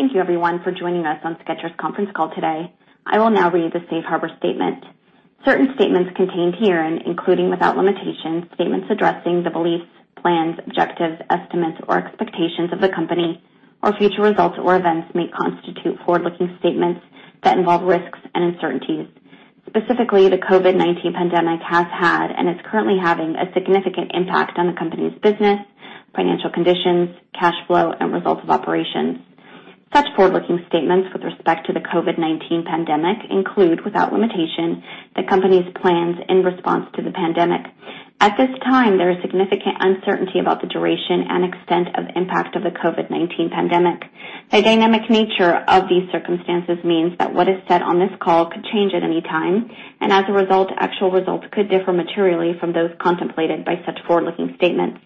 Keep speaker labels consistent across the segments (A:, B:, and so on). A: Thank you everyone for joining us on Skechers conference call today. I will now read the Safe Harbor statement. Certain statements contained herein, including, without limitation, statements addressing the beliefs, plans, objectives, estimates, or expectations of the company or future results or events may constitute forward-looking statements that involve risks and uncertainties. Specifically, the COVID-19 pandemic has had and is currently having a significant impact on the company's business, financial conditions, cash flow, and results of operations. Such forward-looking statements with respect to the COVID-19 pandemic include, without limitation, the company's plans in response to the pandemic. At this time, there is significant uncertainty about the duration and extent of the impact of the COVID-19 pandemic. The dynamic nature of these circumstances means that what is said on this call could change at any time, and as a result, actual results could differ materially from those contemplated by such forward-looking statements.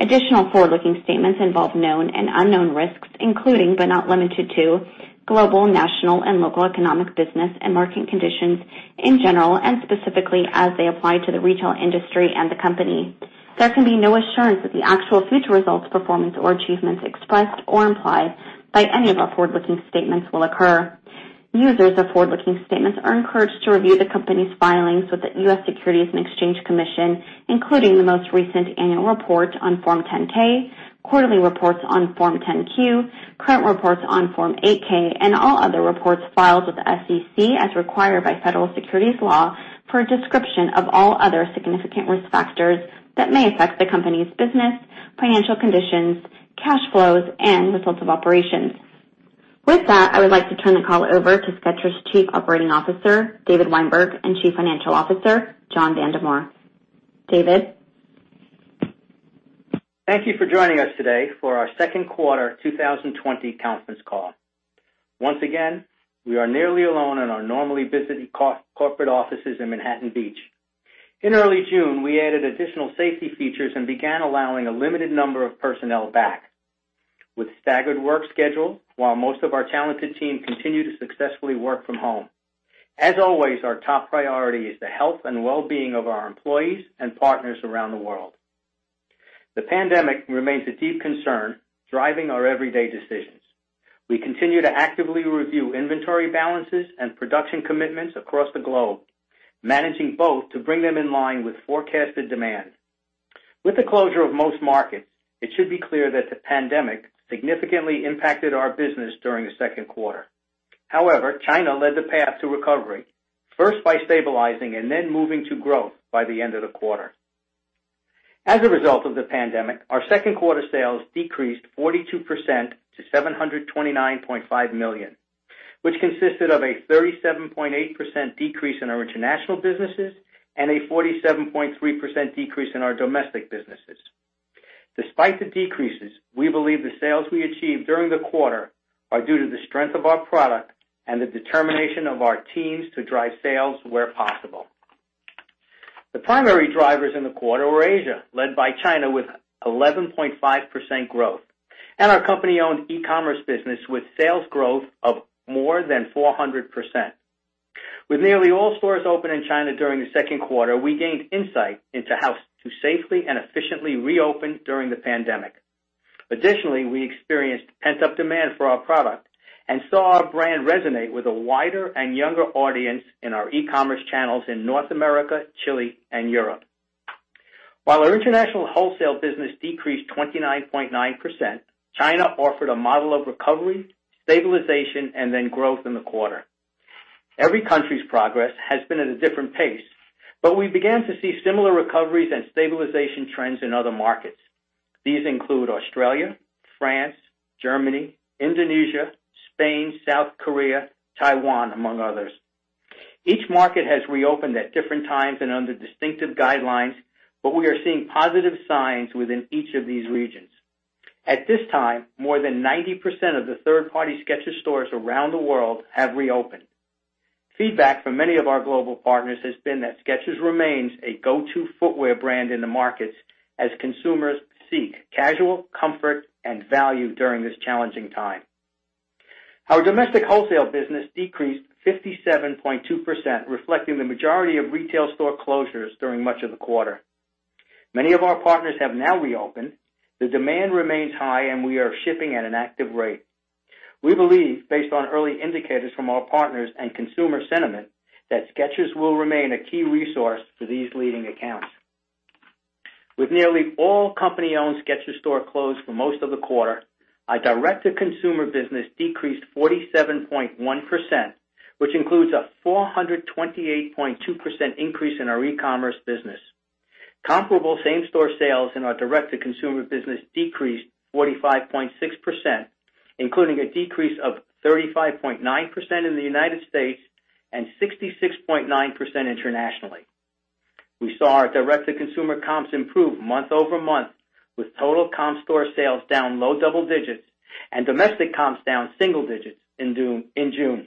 A: Additional forward-looking statements involve known and unknown risks, including but not limited to global, national, and local economic business and market conditions in general and specifically as they apply to the retail industry and the company. There can be no assurance that the actual future results, performance, or achievements expressed or implied by any of our forward-looking statements will occur. Users of forward-looking statements are encouraged to review the company's filings with the U.S. Securities and Exchange Commission, including the most recent annual report on Form 10-K, quarterly reports on Form 10-Q, current reports on Form 8-K, and all other reports filed with the SEC as required by federal securities law for a description of all other significant risk factors that may affect the company's business, financial conditions, cash flows, and results of operations. With that, I would like to turn the call over to Skechers Chief Operating Officer, David Weinberg, and Chief Financial Officer, John Vandemore. David?
B: Thank you for joining us today for our second quarter 2020 conference call. Once again, we are nearly alone in our normally busy corporate offices in Manhattan Beach. In early June, we added additional safety features and began allowing a limited number of personnel back with staggered work schedule, while most of our talented team continue to successfully work from home. As always, our top priority is the health and well-being of our employees and partners around the world. The pandemic remains a deep concern, driving our everyday decisions. We continue to actively review inventory balances and production commitments across the globe, managing both to bring them in line with forecasted demand. With the closure of most markets, it should be clear that the pandemic significantly impacted our business during the second quarter. However, China led the path to recovery, first by stabilizing and then moving to growth by the end of the quarter. As a result of the pandemic, our second quarter sales decreased 42% to $729.5 million, which consisted of a 37.8% decrease in our international businesses and a 47.3% decrease in our domestic businesses. Despite the decreases, we believe the sales we achieved during the quarter are due to the strength of our product and the determination of our teams to drive sales where possible. The primary drivers in the quarter were Asia, led by China with 11.5% growth, and our company-owned e-commerce business with sales growth of more than 400%. With nearly all stores open in China during the second quarter, we gained insight into how to safely and efficiently reopen during the pandemic. Additionally, we experienced pent-up demand for our product and saw our brand resonate with a wider and younger audience in our e-commerce channels in North America, Chile, and Europe. While our international wholesale business decreased 29.9%, China offered a model of recovery, stabilization, and then growth in the quarter. Every country's progress has been at a different pace, but we began to see similar recoveries and stabilization trends in other markets. These include Australia, France, Germany, Indonesia, Spain, South Korea, Taiwan, among others. Each market has reopened at different times and under distinctive guidelines, but we are seeing positive signs within each of these regions. At this time, more than 90% of the third-party Skechers stores around the world have reopened. Feedback from many of our global partners has been that Skechers remains a go-to footwear brand in the markets as consumers seek casual comfort and value during this challenging time. Our domestic wholesale business decreased 57.2%, reflecting the majority of retail store closures during much of the quarter. Many of our partners have now reopened. The demand remains high, and we are shipping at an active rate. We believe, based on early indicators from our partners and consumer sentiment, that Skechers will remain a key resource for these leading accounts. With nearly all company-owned Skechers stores closed for most of the quarter, our direct-to-consumer business decreased 47.1%, which includes a 428.2% increase in our e-commerce business. Comparable same-store sales in our direct-to-consumer business decreased 45.6%, including a decrease of 35.9% in the United States and 66.9% internationally. We saw our direct-to-consumer comps improve month-over-month, with total comp store sales down low double digits and domestic comps down single digits in June.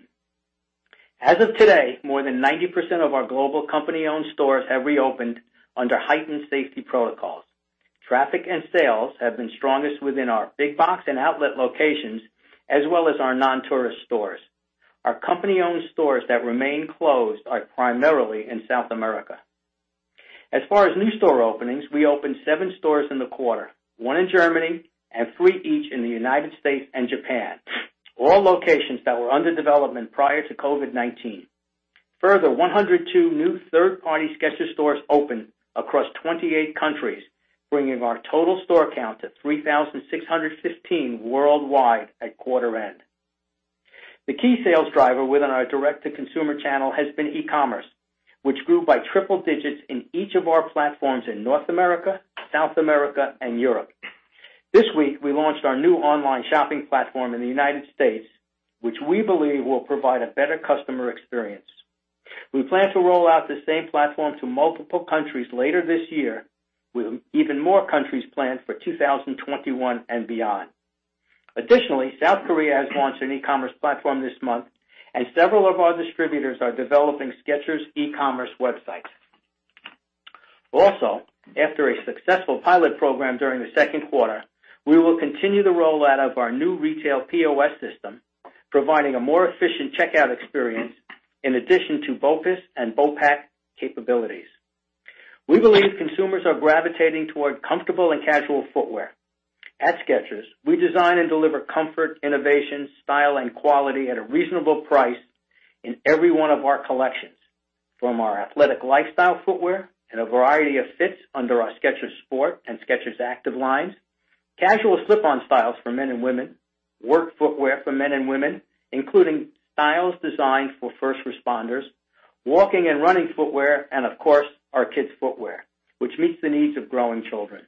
B: As of today, more than 90% of our global company-owned stores have reopened under heightened safety protocols. Traffic and sales have been strongest within our big box and outlet locations, as well as our non-tourist stores. Our company-owned stores that remain closed are primarily in South America. As far as new store openings, we opened seven stores in the quarter, one in Germany and three each in the United States and Japan. All locations that were under development prior to COVID-19. Further, 102 new third-party Skechers stores opened across 28 countries, bringing our total store count to 3,615 worldwide at quarter-end. The key sales driver within our direct-to-consumer channel has been e-commerce, which grew by triple digits in each of our platforms in North America, South America, and Europe. This week, we launched our new online shopping platform in the United States, which we believe will provide a better customer experience. We plan to roll out the same platform to multiple countries later this year, with even more countries planned for 2021 and beyond. Additionally, South Korea has launched an e-commerce platform this month, and several of our distributors are developing Skechers e-commerce websites. Also, after a successful pilot program during the second quarter, we will continue the rollout of our new retail POS system, providing a more efficient checkout experience in addition to BOPIS and BOPAC capabilities. We believe consumers are gravitating toward comfortable and casual footwear. At Skechers, we design and deliver comfort, innovation, style, and quality at a reasonable price in every one of our collections, from our athletic lifestyle footwear in a variety of fits under our Skechers Sport and Skechers Active lines, casual slip-on styles for men and women, work footwear for men and women, including styles designed for first responders, walking and running footwear, and of course, our kids' footwear, which meets the needs of growing children.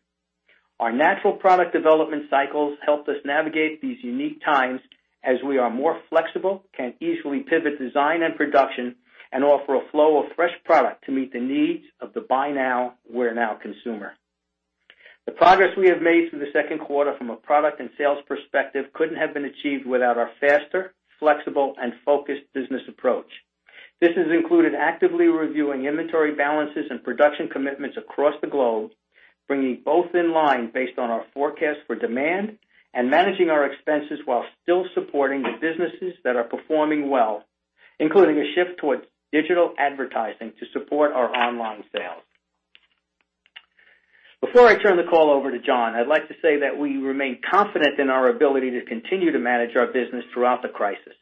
B: Our natural product development cycles helped us navigate these unique times, as we are more flexible, can easily pivot design and production, and offer a flow of fresh product to meet the needs of the buy now, wear now consumer. The progress we have made through the second quarter from a product and sales perspective couldn't have been achieved without our faster, flexible, and focused business approach. This has included actively reviewing inventory balances and production commitments across the globe, bringing both in line based on our forecast for demand, and managing our expenses while still supporting the businesses that are performing well, including a shift towards digital advertising to support our online sales. Before I turn the call over to John, I'd like to say that we remain confident in our ability to continue to manage our business throughout the crisis.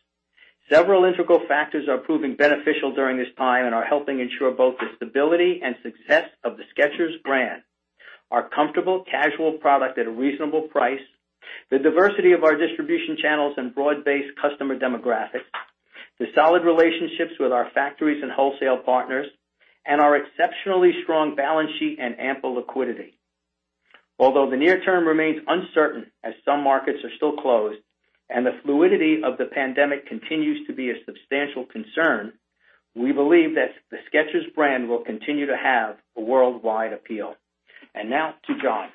B: Several integral factors are proving beneficial during this time and are helping ensure both the stability and success of the Skechers brand, our comfortable casual product at a reasonable price, the diversity of our distribution channels and broad-based customer demographics, the solid relationships with our factories and wholesale partners, and our exceptionally strong balance sheet and ample liquidity. Although the near term remains uncertain as some markets are still closed and the fluidity of the pandemic continues to be a substantial concern, we believe that the Skechers brand will continue to have a worldwide appeal. Now to John.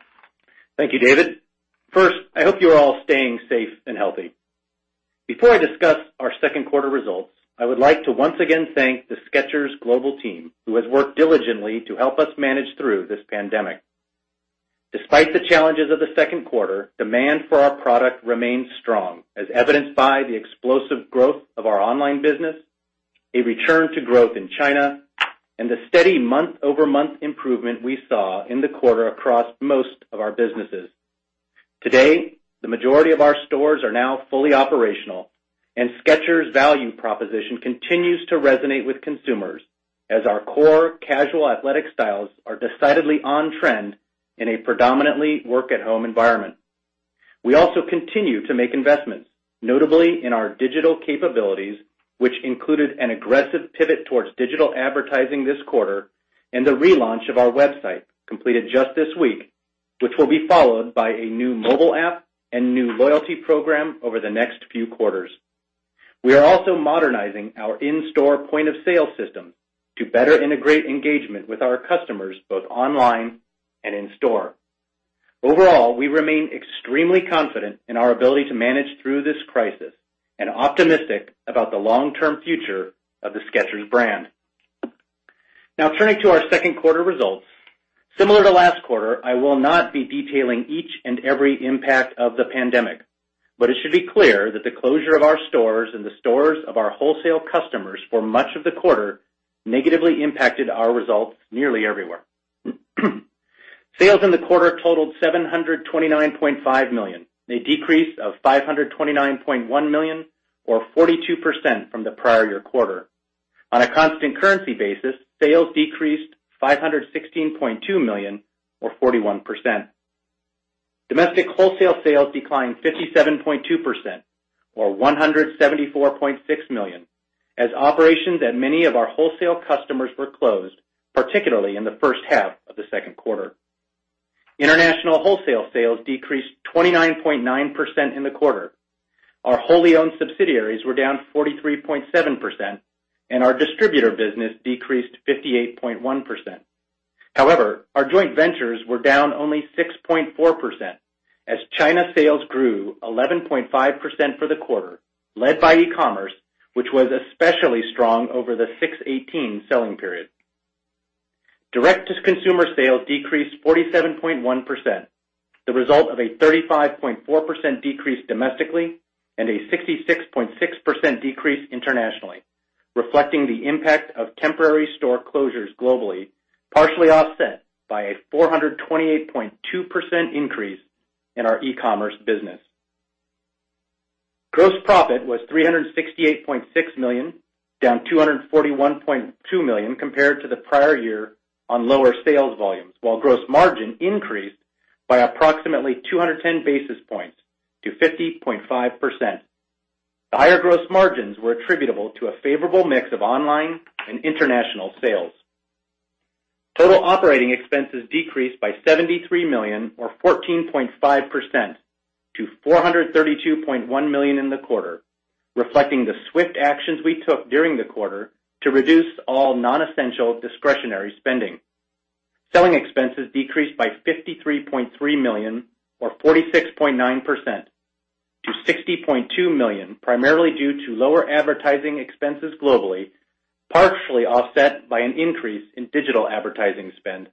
C: Thank you, David. First, I hope you are all staying safe and healthy. Before I discuss our second quarter results, I would like to once again thank the Skechers global team, who has worked diligently to help us manage through this pandemic. Despite the challenges of the second quarter, demand for our product remains strong, as evidenced by the explosive growth of our online business, a return to growth in China, and the steady month-over-month improvement we saw in the quarter across most of our businesses. Today, the majority of our stores are now fully operational, and Skechers' value proposition continues to resonate with consumers as our core casual athletic styles are decidedly on-trend in a predominantly work-at-home environment. We also continue to make investments, notably in our digital capabilities, which included an aggressive pivot towards digital advertising this quarter and the relaunch of our website, completed just this week, which will be followed by a new mobile app and new loyalty program over the next few quarters. We are also modernizing our in-store point-of-sale system to better integrate engagement with our customers, both online and in store. Overall, we remain extremely confident in our ability to manage through this crisis and optimistic about the long-term future of the Skechers brand. Turning to our second quarter results. Similar to last quarter, I will not be detailing each and every impact of the pandemic. It should be clear that the closure of our stores and the stores of our wholesale customers for much of the quarter negatively impacted our results nearly everywhere. Sales in the quarter totaled $729.5 million, a decrease of $529.1 million or 42% from the prior year quarter. On a constant currency basis, sales decreased $516.2 million or 41%. Domestic wholesale sales declined 57.2% or $174.6 million, as operations at many of our wholesale customers were closed, particularly in the first half of the second quarter. International wholesale sales decreased 29.9% in the quarter. Our wholly owned subsidiaries were down 43.7%, and our distributor business decreased 58.1%. However, our joint ventures were down only 6.4% as China sales grew 11.5% for the quarter, led by e-commerce, which was especially strong over the 618 selling period. Direct-to-consumer sales decreased 47.1%. The result of a 35.4% decrease domestically and a 66.6% decrease internationally, reflecting the impact of temporary store closures globally, partially offset by a 428.2% increase in our e-commerce business. Gross profit was $368.6 million, down $241.2 million compared to the prior year on lower sales volumes, while gross margin increased by approximately 210 basis points to 50.5%. The higher gross margins were attributable to a favorable mix of online and international sales. Total operating expenses decreased by $73 million or 14.5% to $432.1 million in the quarter, reflecting the swift actions we took during the quarter to reduce all non-essential discretionary spending. Selling expenses decreased by $53.3 million or 46.9% to $60.2 million, primarily due to lower advertising expenses globally, partially offset by an increase in digital advertising spend.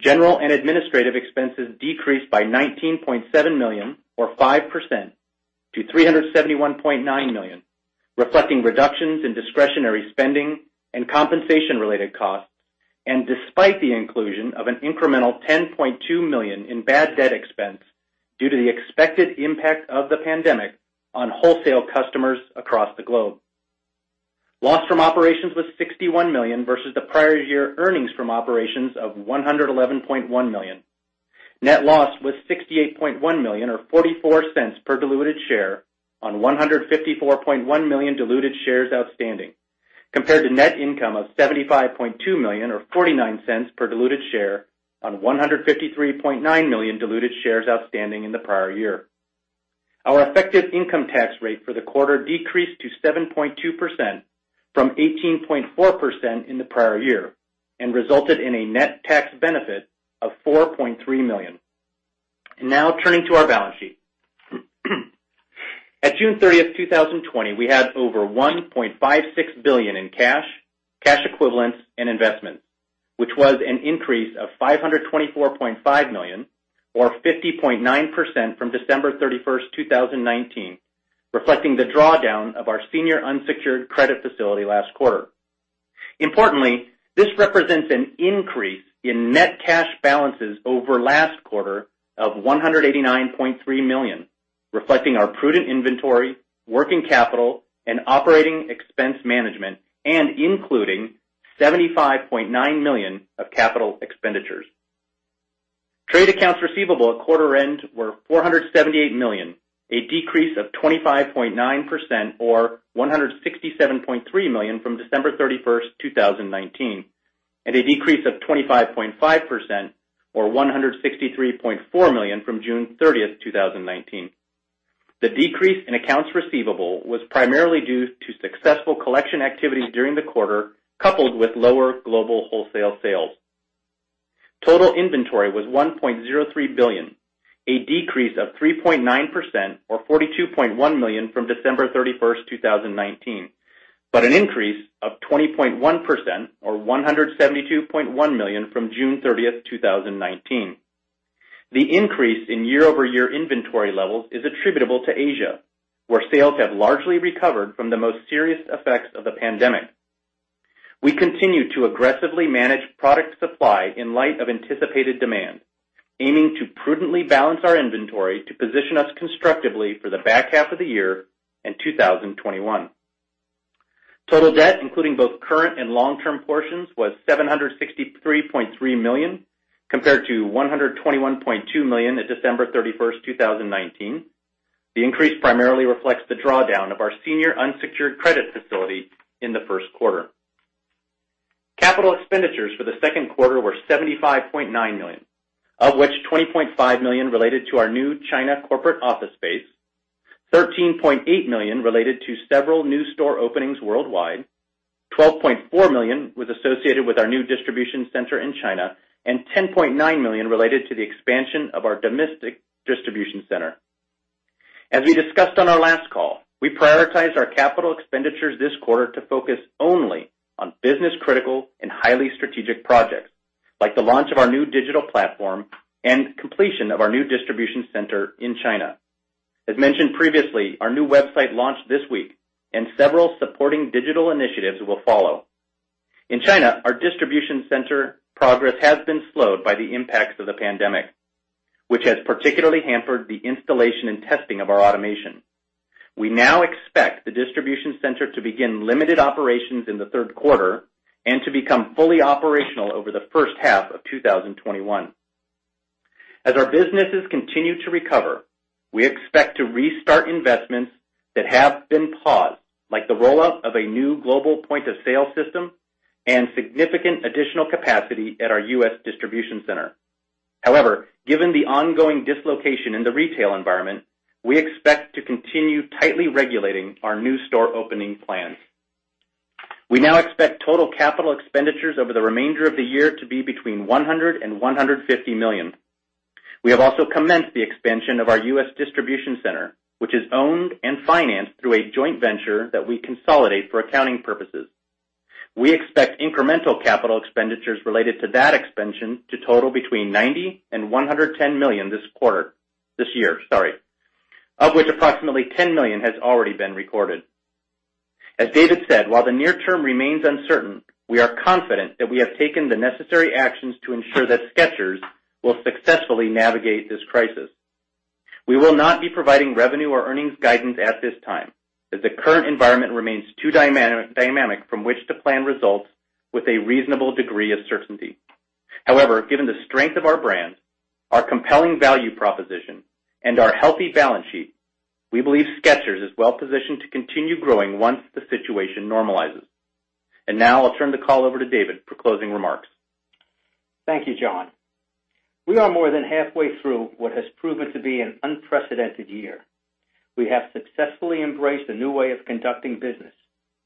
C: General and administrative expenses decreased by $19.7 million or 5% to $371.9 million, reflecting reductions in discretionary spending and compensation-related costs, and despite the inclusion of an incremental $10.2 million in bad debt expense due to the expected impact of the pandemic on wholesale customers across the globe. Loss from operations was $61 million versus the prior year earnings from operations of $111.1 million. Net loss was $68.1 million or $0.44 per diluted share on 154.1 million diluted shares outstanding, compared to net income of $75.2 million or $0.49 per diluted share on 153.9 million diluted shares outstanding in the prior year. Our effective income tax rate for the quarter decreased to 7.2% from 18.4% in the prior year and resulted in a net tax benefit of $4.3 million. Now turning to our balance sheet. At June 30th, 2020, we had over $1.56 billion in cash, cash equivalents, and investments, which was an increase of $524.5 million or 50.9% from December 31st, 2019, reflecting the drawdown of our senior unsecured credit facility last quarter. Importantly, this represents an increase in net cash balances over last quarter of $189.3 million, reflecting our prudent inventory, working capital, and operating expense management, and including $75.9 million of capital expenditures. Trade accounts receivable at quarter end were $478 million, a decrease of 25.9% or $167.3 million from December 31st, 2019, and a decrease of 25.5% or $163.4 million from June 30th, 2019. The decrease in accounts receivable was primarily due to successful collection activities during the quarter, coupled with lower global wholesale sales. Total inventory was $1.03 billion, a decrease of 3.9% or $42.1 million from December 31st, 2019, but an increase of 20.1% or $172.1 million from June 30th, 2019. The increase in year-over-year inventory levels is attributable to Asia, where sales have largely recovered from the most serious effects of the pandemic. We continue to aggressively manage product supply in light of anticipated demand, aiming to prudently balance our inventory to position us constructively for the back half of the year and 2021. Total debt, including both current and long-term portions, was $763.3 million, compared to $121.2 million at December 31st, 2019. The increase primarily reflects the drawdown of our senior unsecured credit facility in the first quarter. Capital expenditures for the second quarter were $75.9 million, of which $20.5 million related to our new China corporate office space, $13.8 million related to several new store openings worldwide, $12.4 million was associated with our new distribution center in China, and $10.9 million related to the expansion of our domestic distribution center. As we discussed on our last call, we prioritized our capital expenditures this quarter to focus only on business critical and highly strategic projects, like the launch of our new digital platform and completion of our new distribution center in China. As mentioned previously, our new website launched this week, and several supporting digital initiatives will follow. In China, our distribution center progress has been slowed by the impacts of the pandemic, which has particularly hampered the installation and testing of our automation. We now expect the distribution center to begin limited operations in the third quarter and to become fully operational over the first half of 2021. As our businesses continue to recover, we expect to restart investments that have been paused, like the rollout of a new global point-of-sale system and significant additional capacity at our U.S. distribution center. However, given the ongoing dislocation in the retail environment, we expect to continue tightly regulating our new store opening plans. We now expect total capital expenditures over the remainder of the year to be between $100 million and $150 million. We have also commenced the expansion of our U.S. distribution center, which is owned and financed through a joint venture that we consolidate for accounting purposes. We expect incremental capital expenditures related to that expansion to total between $90 million and $110 million this year, of which approximately $10 million has already been recorded. As David said, while the near term remains uncertain, we are confident that we have taken the necessary actions to ensure that Skechers will successfully navigate this crisis. We will not be providing revenue or earnings guidance at this time, as the current environment remains too dynamic from which to plan results with a reasonable degree of certainty. However, given the strength of our brand, our compelling value proposition, and our healthy balance sheet, we believe Skechers is well positioned to continue growing once the situation normalizes. Now I'll turn the call over to David for closing remarks.
B: Thank you, John. We are more than halfway through what has proven to be an unprecedented year. We have successfully embraced a new way of conducting business,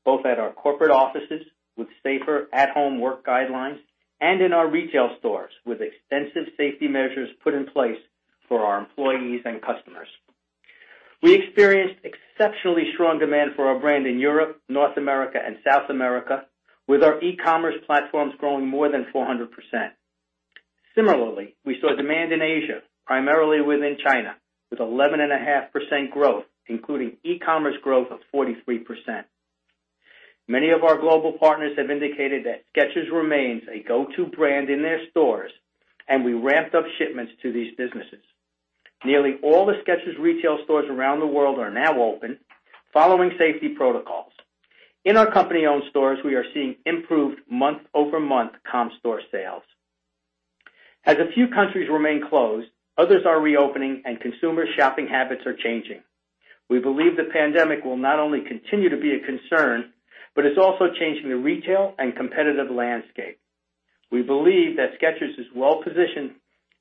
B: both at our corporate offices with safer at home work guidelines and in our retail stores with extensive safety measures put in place for our employees and customers. We experienced exceptionally strong demand for our brand in Europe, North America, and South America, with our e-commerce platforms growing more than 400%. Similarly, we saw demand in Asia, primarily within China, with 11.5% growth, including e-commerce growth of 43%. Many of our global partners have indicated that Skechers remains a go-to brand in their stores, and we ramped up shipments to these businesses. Nearly all the Skechers retail stores around the world are now open, following safety protocols. In our company-owned stores, we are seeing improved month-over-month comp store sales. As a few countries remain closed, others are reopening, and consumer shopping habits are changing. We believe the pandemic will not only continue to be a concern, but it's also changing the retail and competitive landscape. We believe that Skechers is well positioned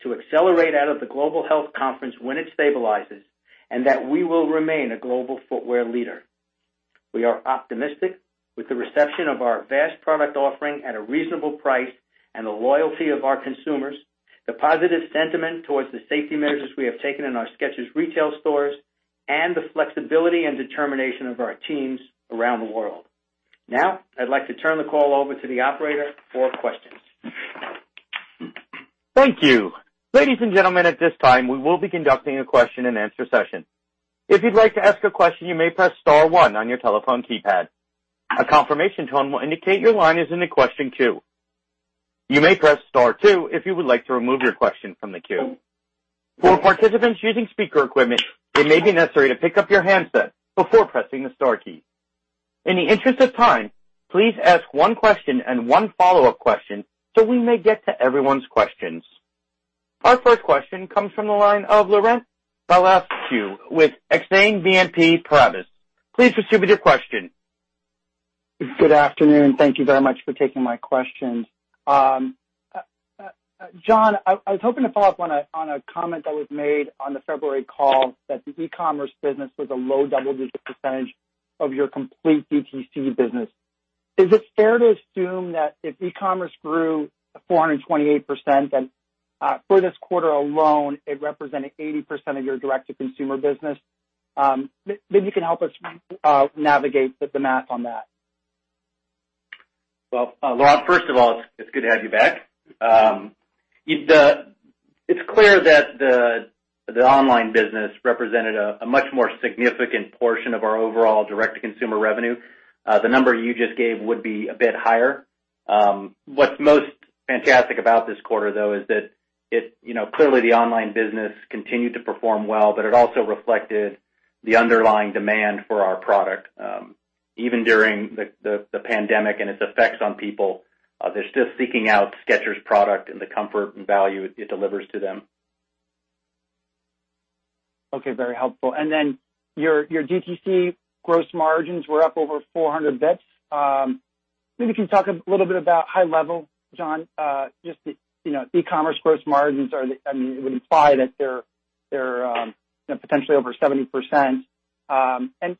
B: to accelerate out of the global health crisis when it stabilizes, and that we will remain a global footwear leader. We are optimistic with the reception of our vast product offering at a reasonable price and the loyalty of our consumers, the positive sentiment towards the safety measures we have taken in our Skechers retail stores, and the flexibility and determination of our teams around the world. I'd like to turn the call over to the operator for questions.
D: Thank you. Ladies and gentlemen, at this time, we will be conducting a question-and-answer session. If you'd like to ask a question, you may press star one on your telephone keypad. A confirmation tone will indicate your line is in the question queue. You may press star two if you would like to remove your question from the queue. For participants using speaker equipment, it may be necessary to pick up your handset before pressing the star key. In the interest of time, please ask one question and one follow-up question so we may get to everyone's questions. Our first question comes from the line of Laurent Vasilescu with Exane BNP Paribas. Please proceed with your question.
E: Good afternoon. Thank you very much for taking my questions. John, I was hoping to follow up on a comment that was made on the February call that the e-commerce business was a low double-digit percentage of your complete DTC business. Is it fair to assume that if e-commerce grew 428% and for this quarter alone, it represented 80% of your direct-to-consumer business? Maybe you can help us navigate the math on that.
C: Well, Laurent, first of all, it's good to have you back. It's clear that the online business represented a much more significant portion of our overall direct-to-consumer revenue. The number you just gave would be a bit higher. What's most fantastic about this quarter, though, is that clearly, the online business continued to perform well, but it also reflected the underlying demand for our product. Even during the pandemic and its effects on people, they're still seeking out Skechers product and the comfort and value it delivers to them.
E: Okay. Very helpful. Then your DTC gross margins were up over 400 basis points. Maybe you can talk a little bit about high level, John, just the e-commerce gross margins, it would imply that they're potentially over 70%.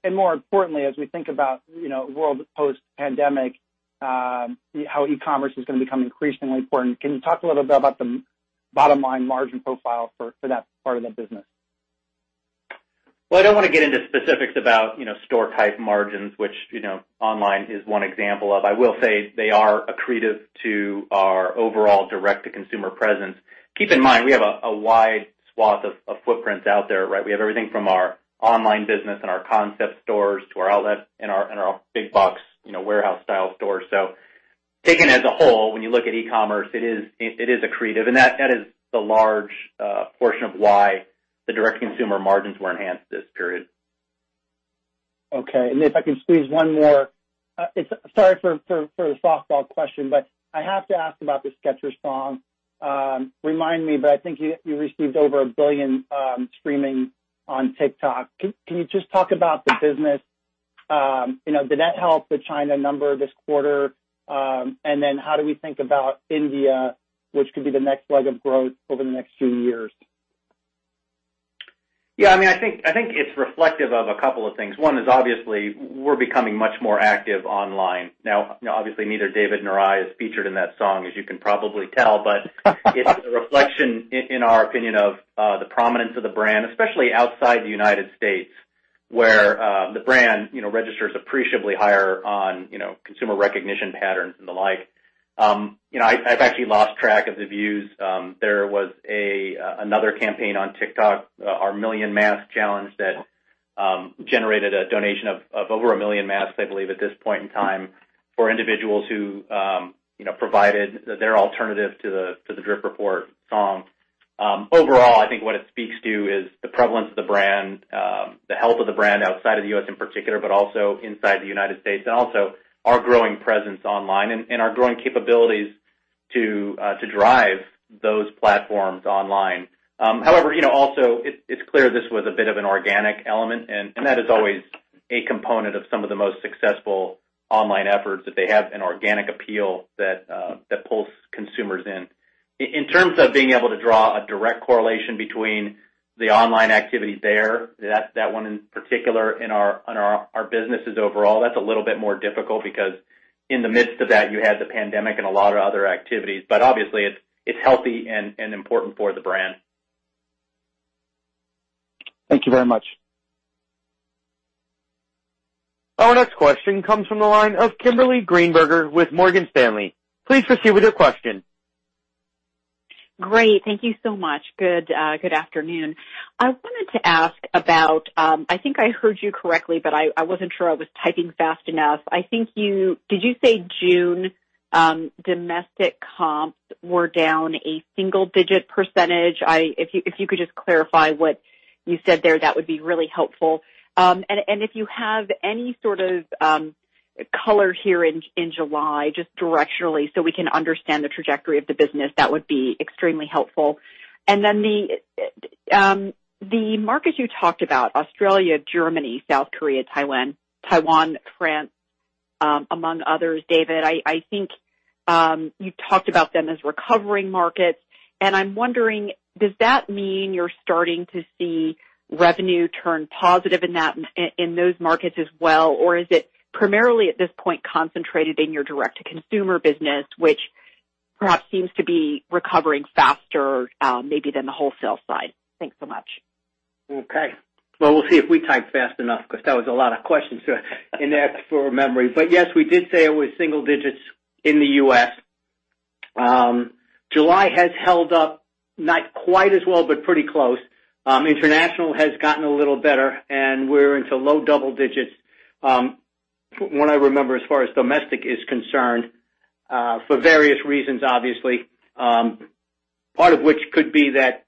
E: More importantly, as we think about world post pandemic, how e-commerce is going to become increasingly important. Can you talk a little bit about the bottom-line margin profile for that part of the business?
C: I don't want to get into specifics about store type margins, which online is one example of. I will say they are accretive to our overall direct-to-consumer presence. Keep in mind, we have a wide swath of footprints out there, right? We have everything from our online business and our concept stores to our outlet and our big box warehouse style stores. Taken as a whole, when you look at e-commerce, it is accretive, and that is the large portion of why the direct-to-consumer margins were enhanced this period.
E: Okay. If I can squeeze one more. Sorry for the softball question, but I have to ask about the Skechers song. Remind me, but I think you received over a billion streaming on TikTok. Can you just talk about the business? Did that help the China number this quarter? How do we think about India, which could be the next leg of growth over the next few years?
C: Yeah, I think it's reflective of a couple of things. One is obviously we're becoming much more active online. Now, obviously, neither David nor I is featured in that song, as you can probably tell, but it's a reflection in our opinion of the prominence of the brand, especially outside the United States. Where the brand registers appreciably higher on consumer recognition patterns and the like. I've actually lost track of the views. There was another campaign on TikTok, our #MillionMaskChallenge, that generated a donation of over a million masks, I believe, at this point in time, for individuals who provided their alternative to the DripReport song. Overall, I think what it speaks to is the prevalence of the brand, the health of the brand outside of the U.S. In particular, inside the United States, and also our growing presence online and our growing capabilities to drive those platforms online. Also it's clear this was a bit of an organic element, and that is always a component of some of the most successful online efforts that they have an organic appeal that pulls consumers in. In terms of being able to draw a direct correlation between the online activity there, that one in particular on our businesses overall, that's a little bit more difficult because in the midst of that, you had the pandemic and a lot of other activities. Obviously, it's healthy and important for the brand.
E: Thank you very much.
D: Our next question comes from the line of Kimberly Greenberger with Morgan Stanley. Please proceed with your question.
F: Great. Thank you so much. Good afternoon. I wanted to ask about, I think I heard you correctly, but I wasn't sure I was typing fast enough. Did you say June domestic comps were down a single-digit percentage? If you could just clarify what you said there, that would be really helpful. If you have any sort of color here in July, just directionally so we can understand the trajectory of the business, that would be extremely helpful. The markets you talked about, Australia, Germany, South Korea, Taiwan, France, among others, David, I think you talked about them as recovering markets. I'm wondering, does that mean you're starting to see revenue turn positive in those markets as well? Or is it primarily at this point concentrated in your direct-to-consumer business, which perhaps seems to be recovering faster maybe than the wholesale side? Thanks so much.
B: Okay. Well, we'll see if we typed fast enough because that was a lot of questions in there for memory. Yes, we did say it was single digits in the U.S. July has held up not quite as well, but pretty close. International has gotten a little better, we're into low double digits from what I remember as far as domestic is concerned, for various reasons, obviously. Part of which could be that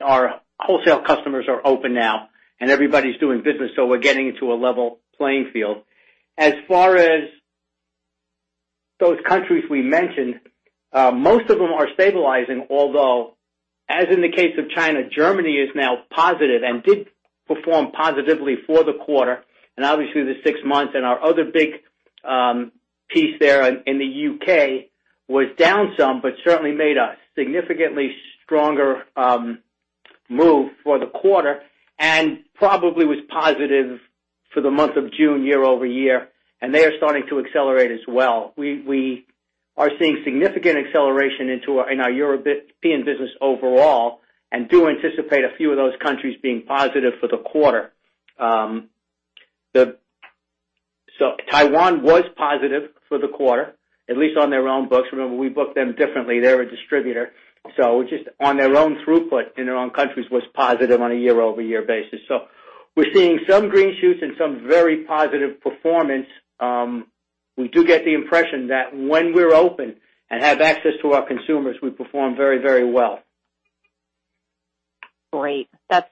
B: our wholesale customers are open now everybody's doing business, so we're getting into a level playing field. As far as those countries we mentioned, most of them are stabilizing. As in the case of China, Germany is now positive and did perform positively for the quarter. Obviously, the six months and our other big piece there in the U.K. was down some, but certainly made a significantly stronger move for the quarter and probably was positive for the month of June year-over-year, and they are starting to accelerate as well. We are seeing significant acceleration in our European business overall and do anticipate a few of those countries being positive for the quarter. Taiwan was positive for the quarter, at least on their own books. Remember, we book them differently. They're a distributor. Just on their own throughput in their own countries was positive on a year-over-year basis. We're seeing some green shoots and some very positive performance. We do get the impression that when we're open and have access to our consumers, we perform very well.
F: Great. That's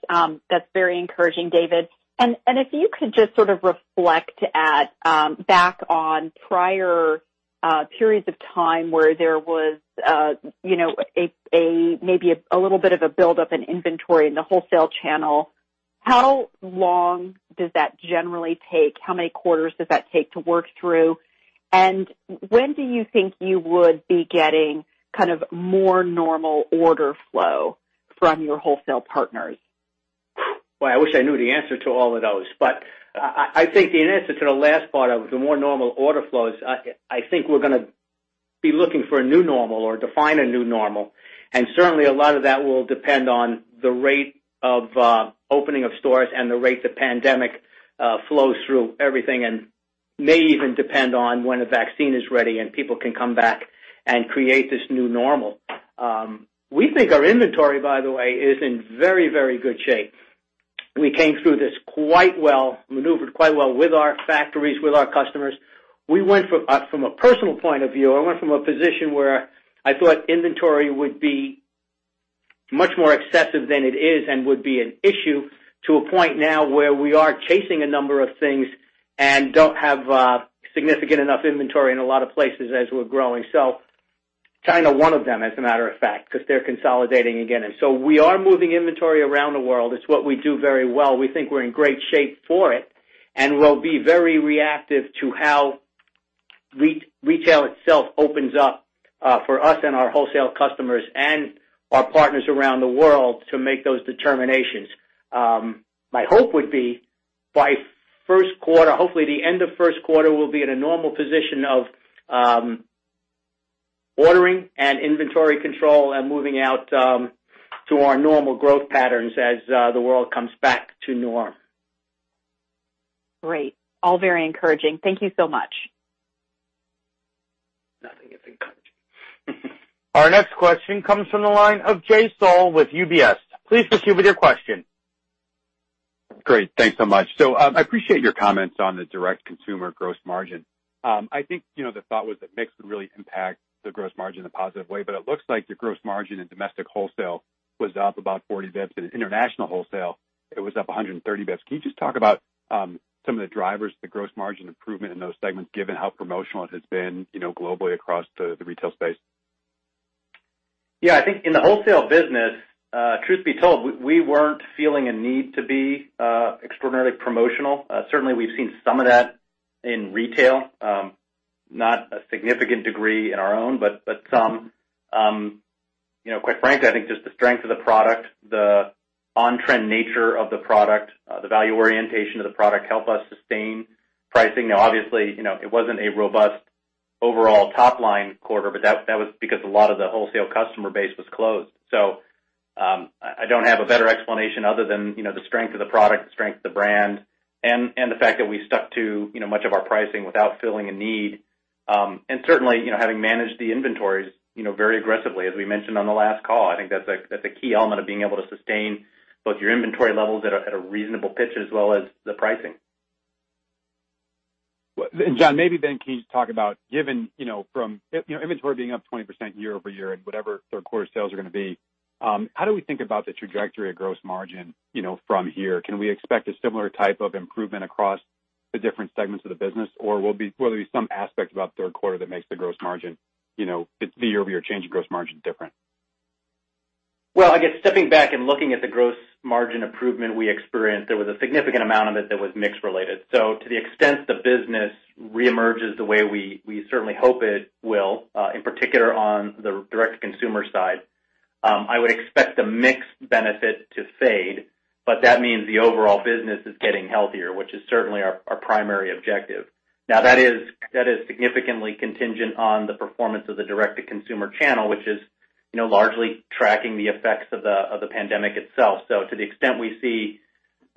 F: very encouraging, David. If you could just sort of reflect back on prior periods of time where there was maybe a little bit of a build up in inventory in the wholesale channel, how long does that generally take? How many quarters does that take to work through? When do you think you would be getting kind of more normal order flow from your wholesale partners?
B: Boy, I wish I knew the answer to all of those. I think the answer to the last part of the more normal order flow is, I think we're going to be looking for a new normal or define a new normal. Certainly, a lot of that will depend on the rate of opening of stores and the rate the pandemic flows through everything and may even depend on when a vaccine is ready and people can come back and create this new normal. We think our inventory, by the way, is in very good shape. We came through this quite well, maneuvered quite well with our factories, with our customers. From a personal point of view, I went from a position where I thought inventory would be much more excessive than it is and would be an issue to a point now where we are chasing a number of things and don't have significant enough inventory in a lot of places as we're growing. China, one of them, as a matter of fact, because they're consolidating again. We are moving inventory around the world. It's what we do very well. We think we're in great shape for it, and we'll be very reactive to how retail itself opens up for us and our wholesale customers and our partners around the world to make those determinations. My hope would be by first quarter, hopefully, the end of first quarter, we'll be in a normal position of ordering and inventory control and moving out to our normal growth patterns as the world comes back to norm.
F: Great. All very encouraging. Thank you so much.
D: Our next question comes from the line of Jay Sole with UBS. Please proceed with your question.
G: Great. Thanks so much. I appreciate your comments on the direct consumer gross margin. I think, the thought was that mix would really impact the gross margin in a positive way, but it looks like the gross margin in domestic wholesale was up about 40 basis points. In international wholesale, it was up 130 basis points. Can you just talk about some of the drivers, the gross margin improvement in those segments, given how promotional it has been globally across the retail space?
C: I think in the wholesale business, truth be told, we weren't feeling a need to be extraordinarily promotional. Certainly, we've seen some of that in retail. Not a significant degree in our own, but some. Quite frankly, I think just the strength of the product, the on-trend nature of the product, the value orientation of the product help us sustain pricing. Obviously, it wasn't a robust overall top-line quarter, but that was because a lot of the wholesale customer base was closed. I don't have a better explanation other than the strength of the product, the strength of the brand, and the fact that we stuck to much of our pricing without feeling a need, certainly having managed the inventories very aggressively, as we mentioned on the last call. I think that's a key element of being able to sustain both your inventory levels at a reasonable pitch as well as the pricing.
G: John, maybe then can you talk about from inventory being up 20% year-over-year and whatever third quarter sales are going to be, how do we think about the trajectory of gross margin from here? Can we expect a similar type of improvement across the different segments of the business? Will there be some aspect about third quarter that makes the year-over-year change in gross margin different?
C: I guess stepping back and looking at the gross margin improvement we experienced, there was a significant amount of it that was mix related. To the extent the business reemerges the way we certainly hope it will, in particular on the direct-to-consumer side, I would expect the mix benefit to fade. That means the overall business is getting healthier, which is certainly our primary objective. That is significantly contingent on the performance of the direct-to-consumer channel, which is largely tracking the effects of the pandemic itself. To the extent we see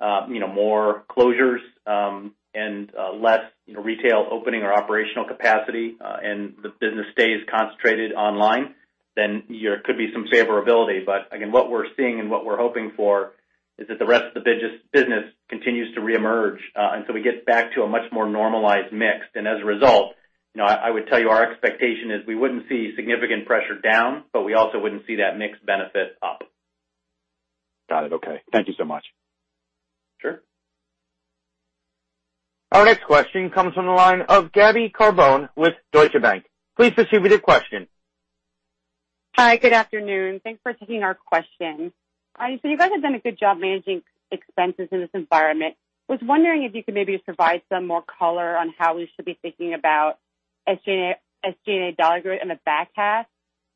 C: more closures and less retail opening or operational capacity, and the business stays concentrated online, then there could be some favorability. Again, what we're seeing and what we're hoping for is that the rest of the business continues to reemerge until we get back to a much more normalized mix. As a result, I would tell you our expectation is we wouldn't see significant pressure down, but we also wouldn't see that mix benefit up.
G: Got it. Okay. Thank you so much.
C: Sure.
D: Our next question comes from the line of Gabbie Carbone with Deutsche Bank. Please proceed with your question.
H: Hi. Good afternoon. Thanks for taking our question. You guys have done a good job managing expenses in this environment. I was wondering if you could maybe provide some more color on how we should be thinking about SG&A dollar growth in the back half.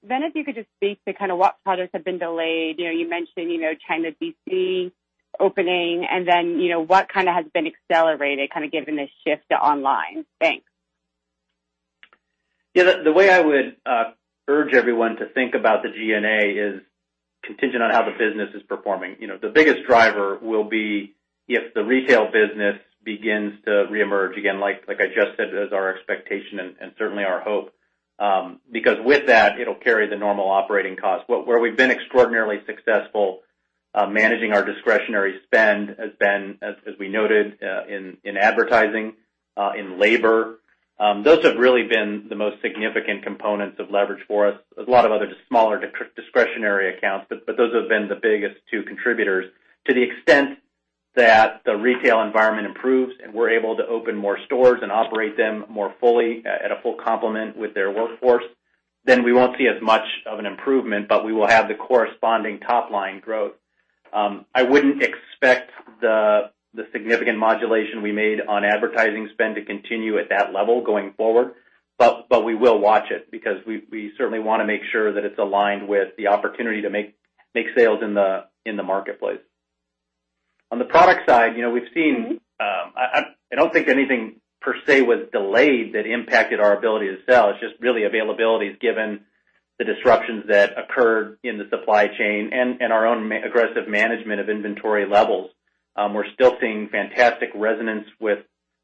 H: If you could just speak to what products have been delayed. You mentioned China DC opening, and then what has been accelerated, given the shift to online. Thanks.
C: Yeah, the way I would urge everyone to think about the G&A is contingent on how the business is performing. The biggest driver will be if the retail business begins to reemerge. Again, like I just said, is our expectation and certainly our hope. Because with that, it'll carry the normal operating cost. Where we've been extraordinarily successful managing our discretionary spend has been, as we noted, in advertising, in labor. Those have really been the most significant components of leverage for us. There's a lot of other smaller discretionary accounts, but those have been the biggest two contributors. To the extent that the retail environment improves and we're able to open more stores and operate them more fully at a full complement with their workforce, then we won't see as much of an improvement, but we will have the corresponding top-line growth. I wouldn't expect the significant modulation we made on advertising spend to continue at that level going forward, but we will watch it because we certainly want to make sure that it's aligned with the opportunity to make sales in the marketplace. On the product side, I don't think anything per se was delayed that impacted our ability to sell. It's just really availability given the disruptions that occurred in the supply chain and our own aggressive management of inventory levels. We're still seeing fantastic resonance with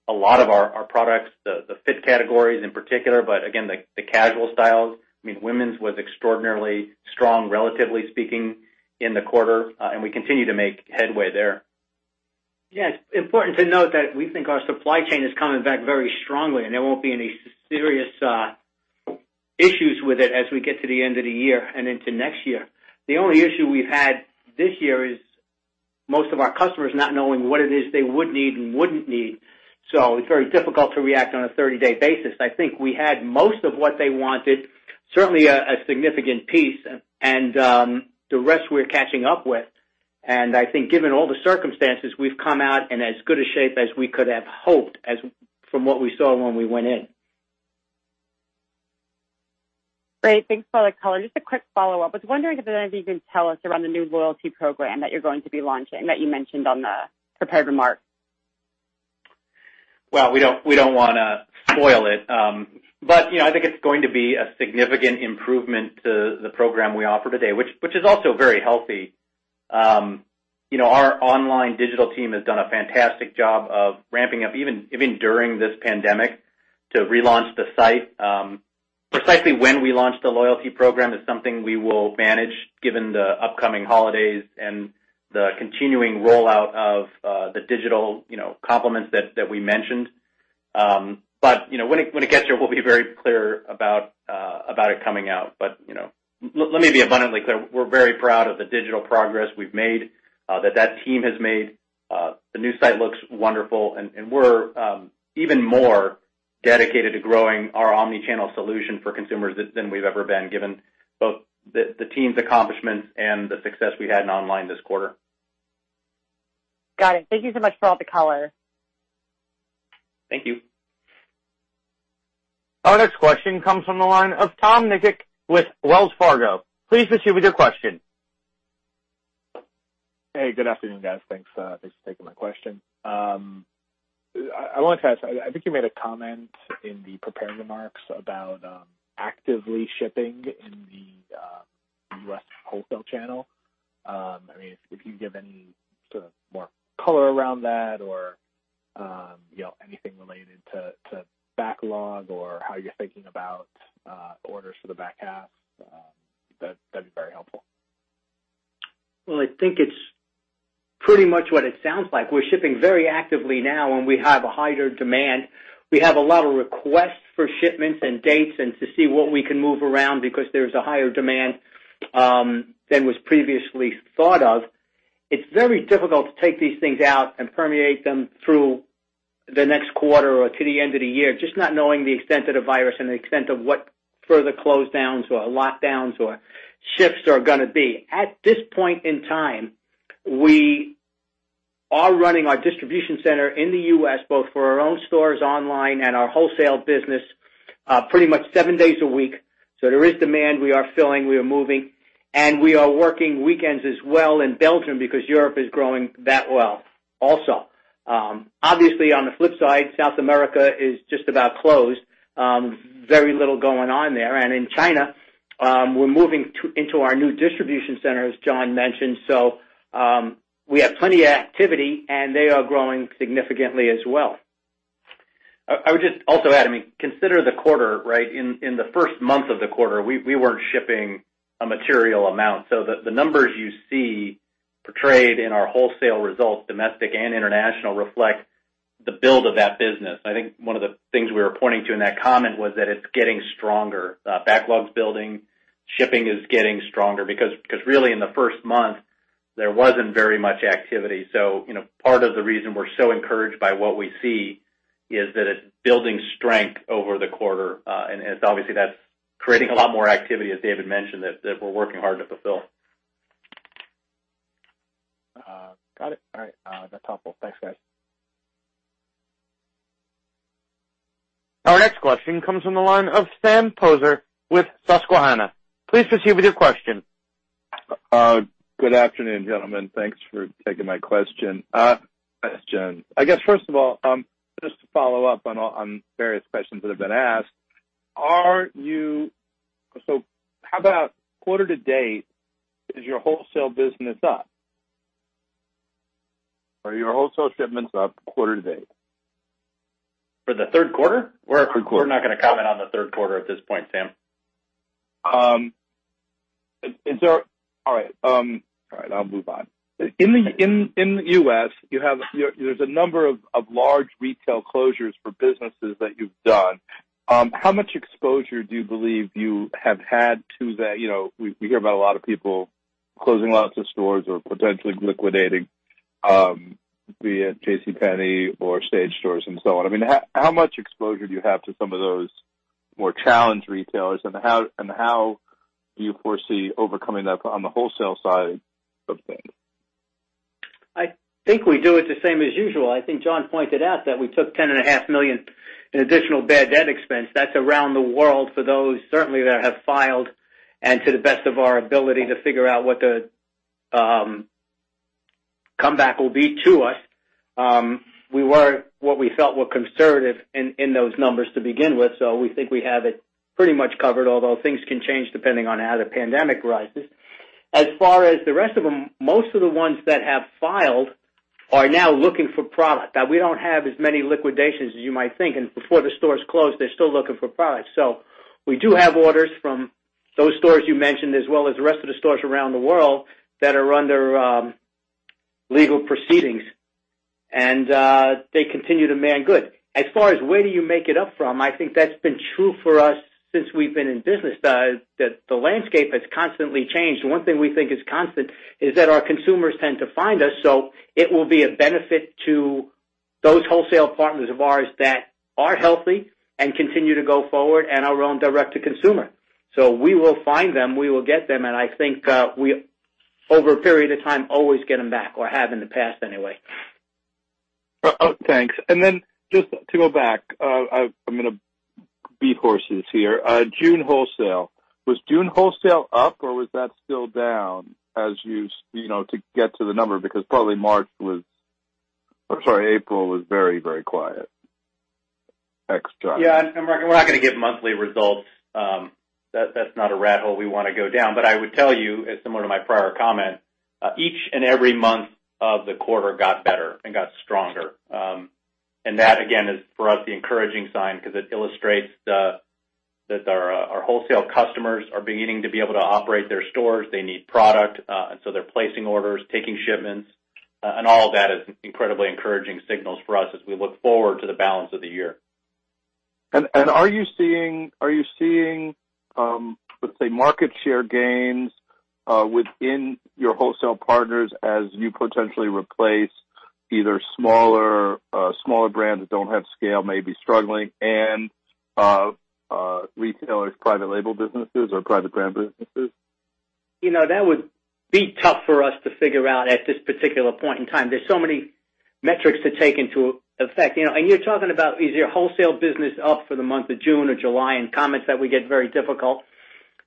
C: a lot of our products, the fit categories in particular, but again, the casual styles. Women's was extraordinarily strong, relatively speaking, in the quarter, and we continue to make headway there. Yeah.
B: It's important to note that we think our supply chain is coming back very strongly, and there won't be any serious issues with it as we get to the end of the year and into next year. The only issue we've had this year is most of our customers not knowing what it is they would need and wouldn't need. It's very difficult to react on a 30-day basis. I think we had most of what they wanted, certainly a significant piece, and the rest we're catching up with. I think given all the circumstances, we've come out in as good a shape as we could have hoped from what we saw when we went in.
H: Great. Thanks for all the color. Just a quick follow-up. I was wondering if either of you can tell us around the new loyalty program that you're going to be launching that you mentioned on the prepared remarks.
C: Well, we don't want to spoil it. I think it's going to be a significant improvement to the program we offer today, which is also very healthy. Our online digital team has done a fantastic job of ramping-up, even during this pandemic, to relaunch the site. Precisely when we launch the loyalty program is something we will manage given the upcoming holidays and the continuing rollout of the digital compliments that we mentioned. When it gets here, we'll be very clear about it coming out. Let me be abundantly clear. We're very proud of the digital progress we've made, that that team has made. The new site looks wonderful, we're even more dedicated to growing our omnichannel solution for consumers than we've ever been, given both the team's accomplishments and the success we had in online this quarter.
H: Got it. Thank you so much for all the color.
C: Thank you.
D: Our next question comes from the line of Tom Nikic with Wells Fargo. Please proceed with your question.
I: Hey, good afternoon, guys. Thanks for taking my question. I want to ask, I think you made a comment in the prepared remarks about actively shipping in the U.S. wholesale channel. If you can give any sort of more color around that or anything related to backlog or how you're thinking about orders for the back half, that'd be very helpful.
B: Well, I think it's pretty much what it sounds like. We're shipping very actively now. We have a higher demand. We have a lot of requests for shipments and dates and to see what we can move around because there's a higher demand than was previously thought of. It's very difficult to take these things out and permeate them through the next quarter or to the end of the year, just not knowing the extent of the virus and the extent of what further closedowns or lockdowns or shifts are going to be. At this point in time, we are running our distribution center in the U.S. both for our own stores online and our wholesale business pretty much seven days a week. There is demand. We are filling, we are moving, and we are working weekends as well in Belgium because Europe is growing that well also. Obviously, on the flip side, South America is just about closed. Very little going on there. In China, we're moving into our new distribution center, as John mentioned. We have plenty of activity, and they are growing significantly as well.
C: I would just also add, consider the quarter. In the first month of the quarter, we weren't shipping a material amount. The numbers you see portrayed in our wholesale results, domestic and international, reflect the build of that business. I think one of the things we were pointing to in that comment was that it's getting stronger. Backlog's building, shipping is getting stronger, because really, in the first month, there wasn't very much activity. Part of the reason we're so encouraged by what we see is that it's building strength over the quarter. Obviously, that's creating a lot more activity, as David mentioned, that we're working hard to fulfill.
I: Got it. All right. That's helpful. Thanks, guys.
D: Our next question comes from the line of Sam Poser with Susquehanna. Please proceed with your question.
J: Good afternoon, gentlemen. Thanks for taking my question. I guess, first of all, just to follow up on various questions that have been asked. How about quarter-to-date, is your wholesale business up? Are your wholesale shipments up quarter-to-date?
C: For the third quarter?
J: Third quarter.
C: We're not going to comment on the third quarter at this point, Sam.
J: All right. I'll move on. In the U.S., there's a number of large retail closures for businesses that you've done. How much exposure do you believe you have had to that? We hear about a lot of people closing lots of stores or potentially liquidating, be it JCPenney or Stage Stores and so on. How much exposure do you have to some of those more challenged retailers, and how do you foresee overcoming that on the wholesale side of things?
B: I think we do it the same as usual. I think John pointed out that we took $10.5 million in additional bad debt expense. That's around the world for those certainly that have filed and to the best of our ability to figure out what the comeback will be to us. We were what we felt were conservative in those numbers to begin with. We think we have it pretty much covered, although things can change depending on how the pandemic rises. As far as the rest of them, most of the ones that have filed are now looking for product. We don't have as many liquidations as you might think, and before the stores close, they're still looking for product. We do have orders from those stores you mentioned, as well as the rest of the stores around the world that are under legal proceedings, and they continue to demand good. As far as where do you make it up from, I think that's been true for us since we've been in business. The landscape has constantly changed. One thing we think is constant is that our consumers tend to find us. It will be a benefit to those wholesale partners of ours that are healthy and continue to go forward and our own direct-to-consumer. We will find them, we will get them, and I think we, over a period of time, always get them back, or have in the past anyway.
J: Thanks. Just to go back, I'm [going to hold horses here]. June wholesale. Was June wholesale up or was that still down to get to the number? Because probably April was very, very quiet. Extra.
C: Yeah, we're not going to give monthly results. That's not a rabbit hole we want to go down. I would tell you, similar to my prior comment, each and every month of the quarter got better and got stronger. That, again, is for us the encouraging sign because it illustrates that our wholesale customers are beginning to be able to operate their stores. They need product. They're placing orders, taking shipments, and all of that is incredibly encouraging signals for us as we look forward to the balance of the year.
J: Are you seeing, let's say, market share gains within your wholesale partners as you potentially replace either smaller brands that don't have scale, may be struggling, and retailers' private label businesses or private brand businesses?
B: That would be tough for us to figure out at this particular point in time. There's so many metrics to take into effect. You're talking about is your wholesale business up for the month of June or July, and comments that we get very difficult.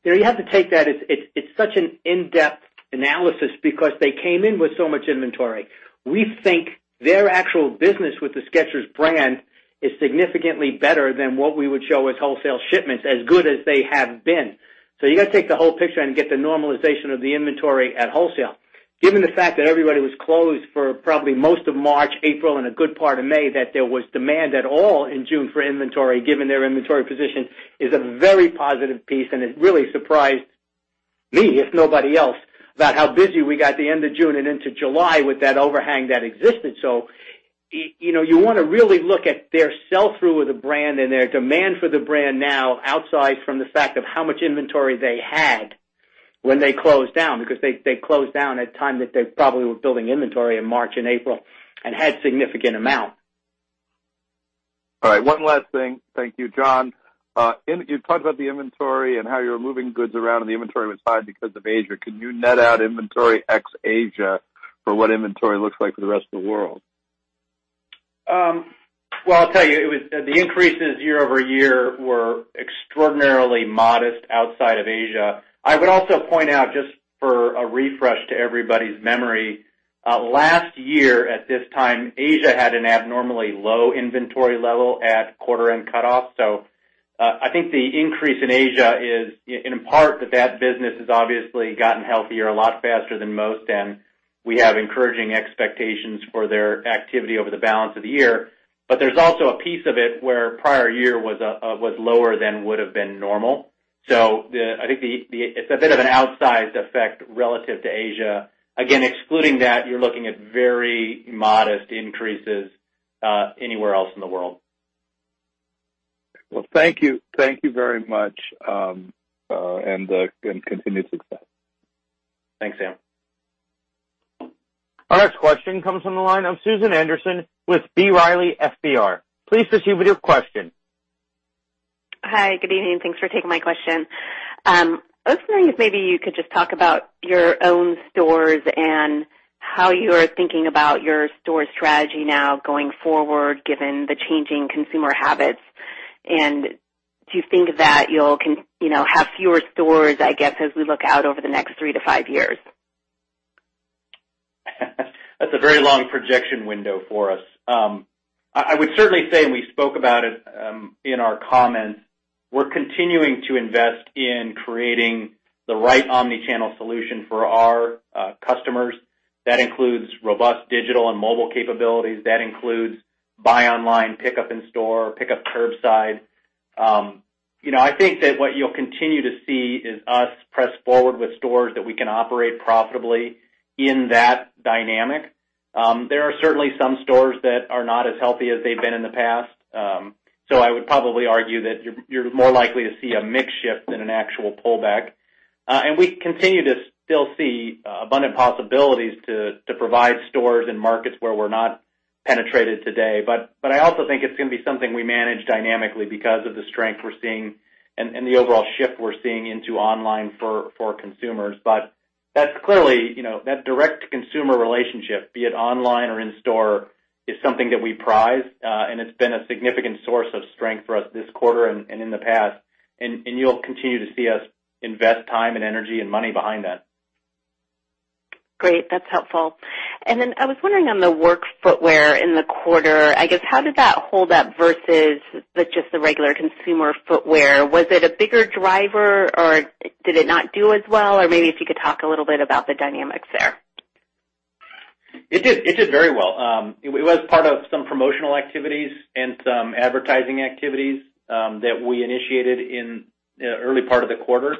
B: You have to take that. It's such an in-depth analysis because they came in with so much inventory. We think their actual business with the Skechers brand is significantly better than what we would show as wholesale shipments, as good as they have been. You got to take the whole picture and get the normalization of the inventory at wholesale. Given the fact that everybody was closed for probably most of March, April, and a good part of May, that there was demand at all in June for inventory, given their inventory position is a very positive piece, and it really surprised me, if nobody else, about how busy we got at the end of June and into July with that overhang that existed. You want to really look at their sell-through of the brand and their demand for the brand now, outside from the fact of how much inventory they had when they closed down. They closed down at a time that they probably were building inventory in March and April and had significant amount.
J: All right. One last thing. Thank you, John. You talked about the inventory and how you're moving goods around, and the inventory was high because of Asia. Can you net out inventory ex-Asia for what inventory looks like for the rest of the world?
C: Well, I'll tell you, the increases year-over-year were extraordinarily modest outside of Asia. I would also point out, just for a refresh to everybody's memory, last year at this time, Asia had an abnormally low inventory level at quarter-end cutoff. I think the increase in Asia is, in part that, that business has obviously gotten healthier a lot faster than most, and we have encouraging expectations for their activity over the balance of the year. There's also a piece of it where prior year was lower than would've been normal. I think it's a bit of an outsized effect relative to Asia. Again, excluding that, you're looking at very modest increases anywhere else in the world.
J: Well, thank you. Thank you very much, and continued success.
C: Thanks, Sam.
D: Our next question comes from the line of Susan Anderson with B. Riley FBR. Please proceed with your question.
K: Hi. Good evening. Thanks for taking my question. I was wondering if maybe you could just talk about your own stores and how you are thinking about your store strategy now going forward, given the changing consumer habits. Do you think that you'll have fewer stores, I guess, as we look out over the next three to five years?
C: That's a very long projection window for us. I would certainly say, and we spoke about it in our comments, we're continuing to invest in creating the right omnichannel solution for our customers. That includes robust digital and mobile capabilities. That includes buy online, pick up in store, pick up curbside. I think that what you'll continue to see is us press forward with stores that we can operate profitably in that dynamic. There are certainly some stores that are not as healthy as they've been in the past. I would probably argue that you're more likely to see a mix shift than an actual pullback. We continue to still see abundant possibilities to provide stores in markets where we're not penetrated today. I also think it's going to be something we manage dynamically because of the strength we're seeing and the overall shift we're seeing into online for consumers. That's clearly that direct consumer relationship, be it online or in store, is something that we prize. It's been a significant source of strength for us this quarter and in the past, and you'll continue to see us invest time and energy and money behind that.
K: Great. That's helpful. I was wondering on the work footwear in the quarter, I guess how did that hold up versus just the regular consumer footwear? Was it a bigger driver, or did it not do as well? Maybe if you could talk a little bit about the dynamics there.
C: It did very well. It was part of some promotional activities and some advertising activities that we initiated in the early part of the quarter.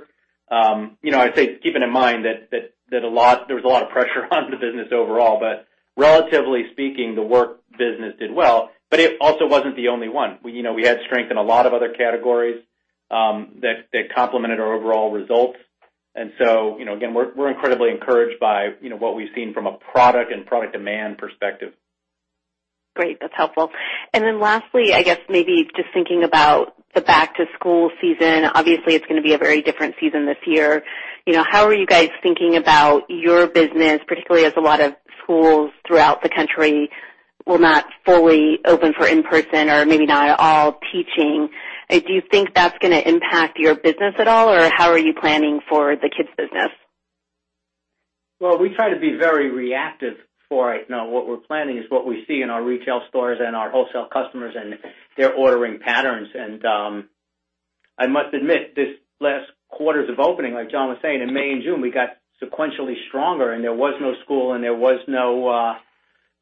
C: I'd say keeping in mind that there was a lot of pressure on the business overall, but relatively speaking, the work business did well, but it also wasn't the only one. We had strength in a lot of other categories that complemented our overall results. Again, we're incredibly encouraged by what we've seen from a product and product demand perspective.
K: Great. That's helpful. Lastly, I guess maybe just thinking about the back-to-school season, obviously it's going to be a very different season this year. How are you guys thinking about your business, particularly as a lot of schools throughout the country, we're not fully open for in-person or maybe not at all teaching. Do you think that's going to impact your business at all, or how are you planning for the kids business?
B: Well, we try to be very reactive for it. Now, what we're planning is what we see in our retail stores and our wholesale customers and their ordering patterns. I must admit, this last quarters of opening, like John was saying, in May and June, we got sequentially stronger and there was no school and there was no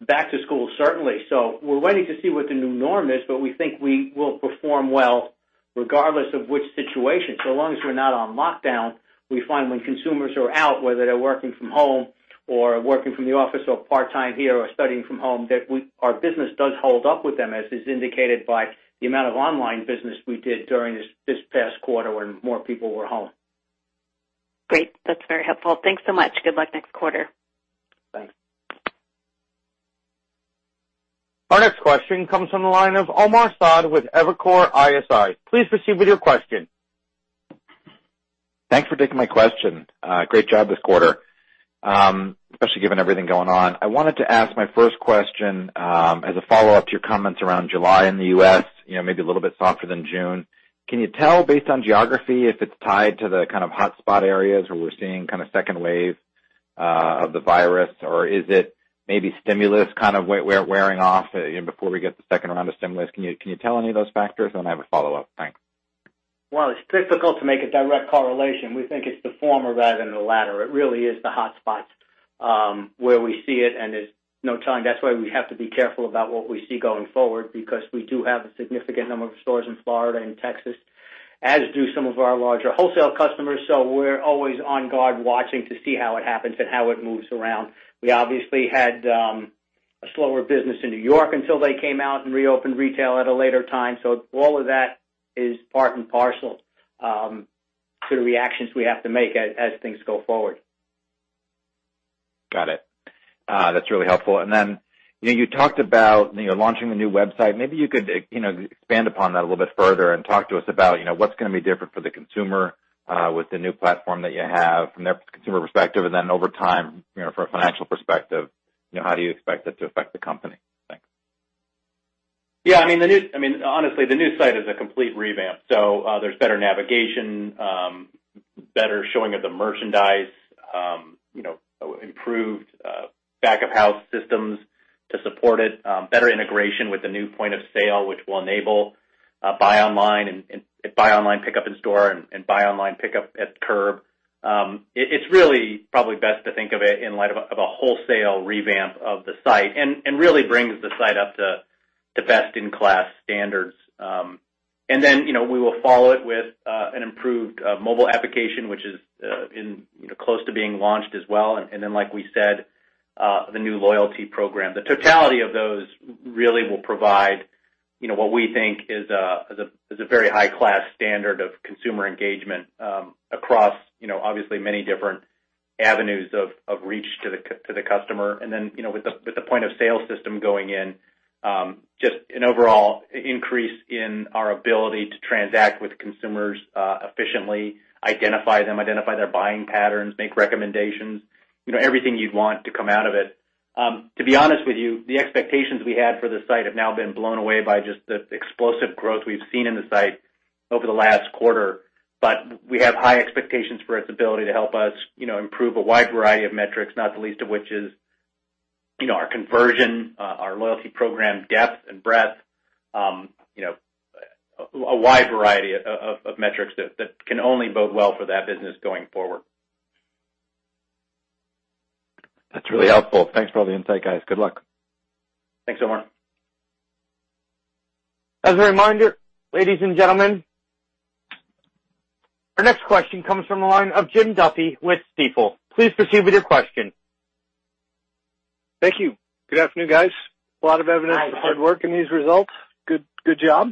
B: back-to-school, certainly. We're waiting to see what the new norm is, but we think we will perform well regardless of which situation. Long as we're not on lockdown, we find when consumers are out, whether they're working from home or working from the office or part-time here or studying from home, that our business does hold up with them, as is indicated by the amount of online business we did during this past quarter when more people were home.
K: Great. That's very helpful. Thanks so much. Good luck next quarter.
B: Thanks.
D: Our next question comes from the line of Omar Saad with Evercore ISI. Please proceed with your question.
L: Thanks for taking my question. Great job this quarter, especially given everything going on. I wanted to ask my first question, as a follow-up to your comments around July in the U.S., maybe a little bit softer than June. Can you tell based on geography if it's tied to the kind of hotspot areas where we're seeing kind of second wave of the virus, or is it maybe stimulus kind of wearing off before we get the second round of stimulus? Can you tell any of those factors? I have a follow-up. Thanks.
B: Well, it's difficult to make a direct correlation. We think it's the former rather than the latter. It really is the hotspots where we see it, and there's no telling. That's why we have to be careful about what we see going forward, because we do have a significant number of stores in Florida and Texas, as do some of our larger wholesale customers. We're always on guard watching to see how it happens and how it moves around. We obviously had a slower business in New York until they came out and reopened retail at a later time. All of that is part and parcel to the reactions we have to make as things go forward.
L: Got it. That's really helpful. You talked about launching the new website. Maybe you could expand upon that a little bit further and talk to us about what's going to be different for the consumer with the new platform that you have from their consumer perspective, and then over time, from a financial perspective, how do you expect it to affect the company? Thanks.
C: Yeah, honestly, the new site is a complete revamp, so there's better navigation, better showing of the merchandise, improved back of house systems to support it. Better integration with the new point of sale, which will enable Buy Online, Pickup In-Store and Buy Online, Pick Up At Curb. It's really probably best to think of it in light of a wholesale revamp of the site and really brings the site up to best-in-class standards. We will follow it with an improved mobile application, which is close to being launched as well. Like we said, the new loyalty program. The totality of those really will provide what we think is a very high-class standard of consumer engagement across obviously many different avenues of reach to the customer. With the point of sale system going in, just an overall increase in our ability to transact with consumers efficiently, identify them, identify their buying patterns, make recommendations. Everything you'd want to come out of it. To be honest with you, the expectations we had for the site have now been blown away by just the explosive growth we've seen in the site over the last quarter. We have high expectations for its ability to help us improve a wide variety of metrics, not the least of which is our conversion, our loyalty program depth and breadth. A wide variety of metrics that can only bode well for that business going forward.
L: That's really helpful. Thanks for all the insight, guys. Good luck.
C: Thanks, Omar.
D: As a reminder, ladies and gentlemen, our next question comes from the line of Jim Duffy with Stifel. Please proceed with your question.
M: Thank you. Good afternoon, guys. A lot of evidence of hard work in these results. Good job.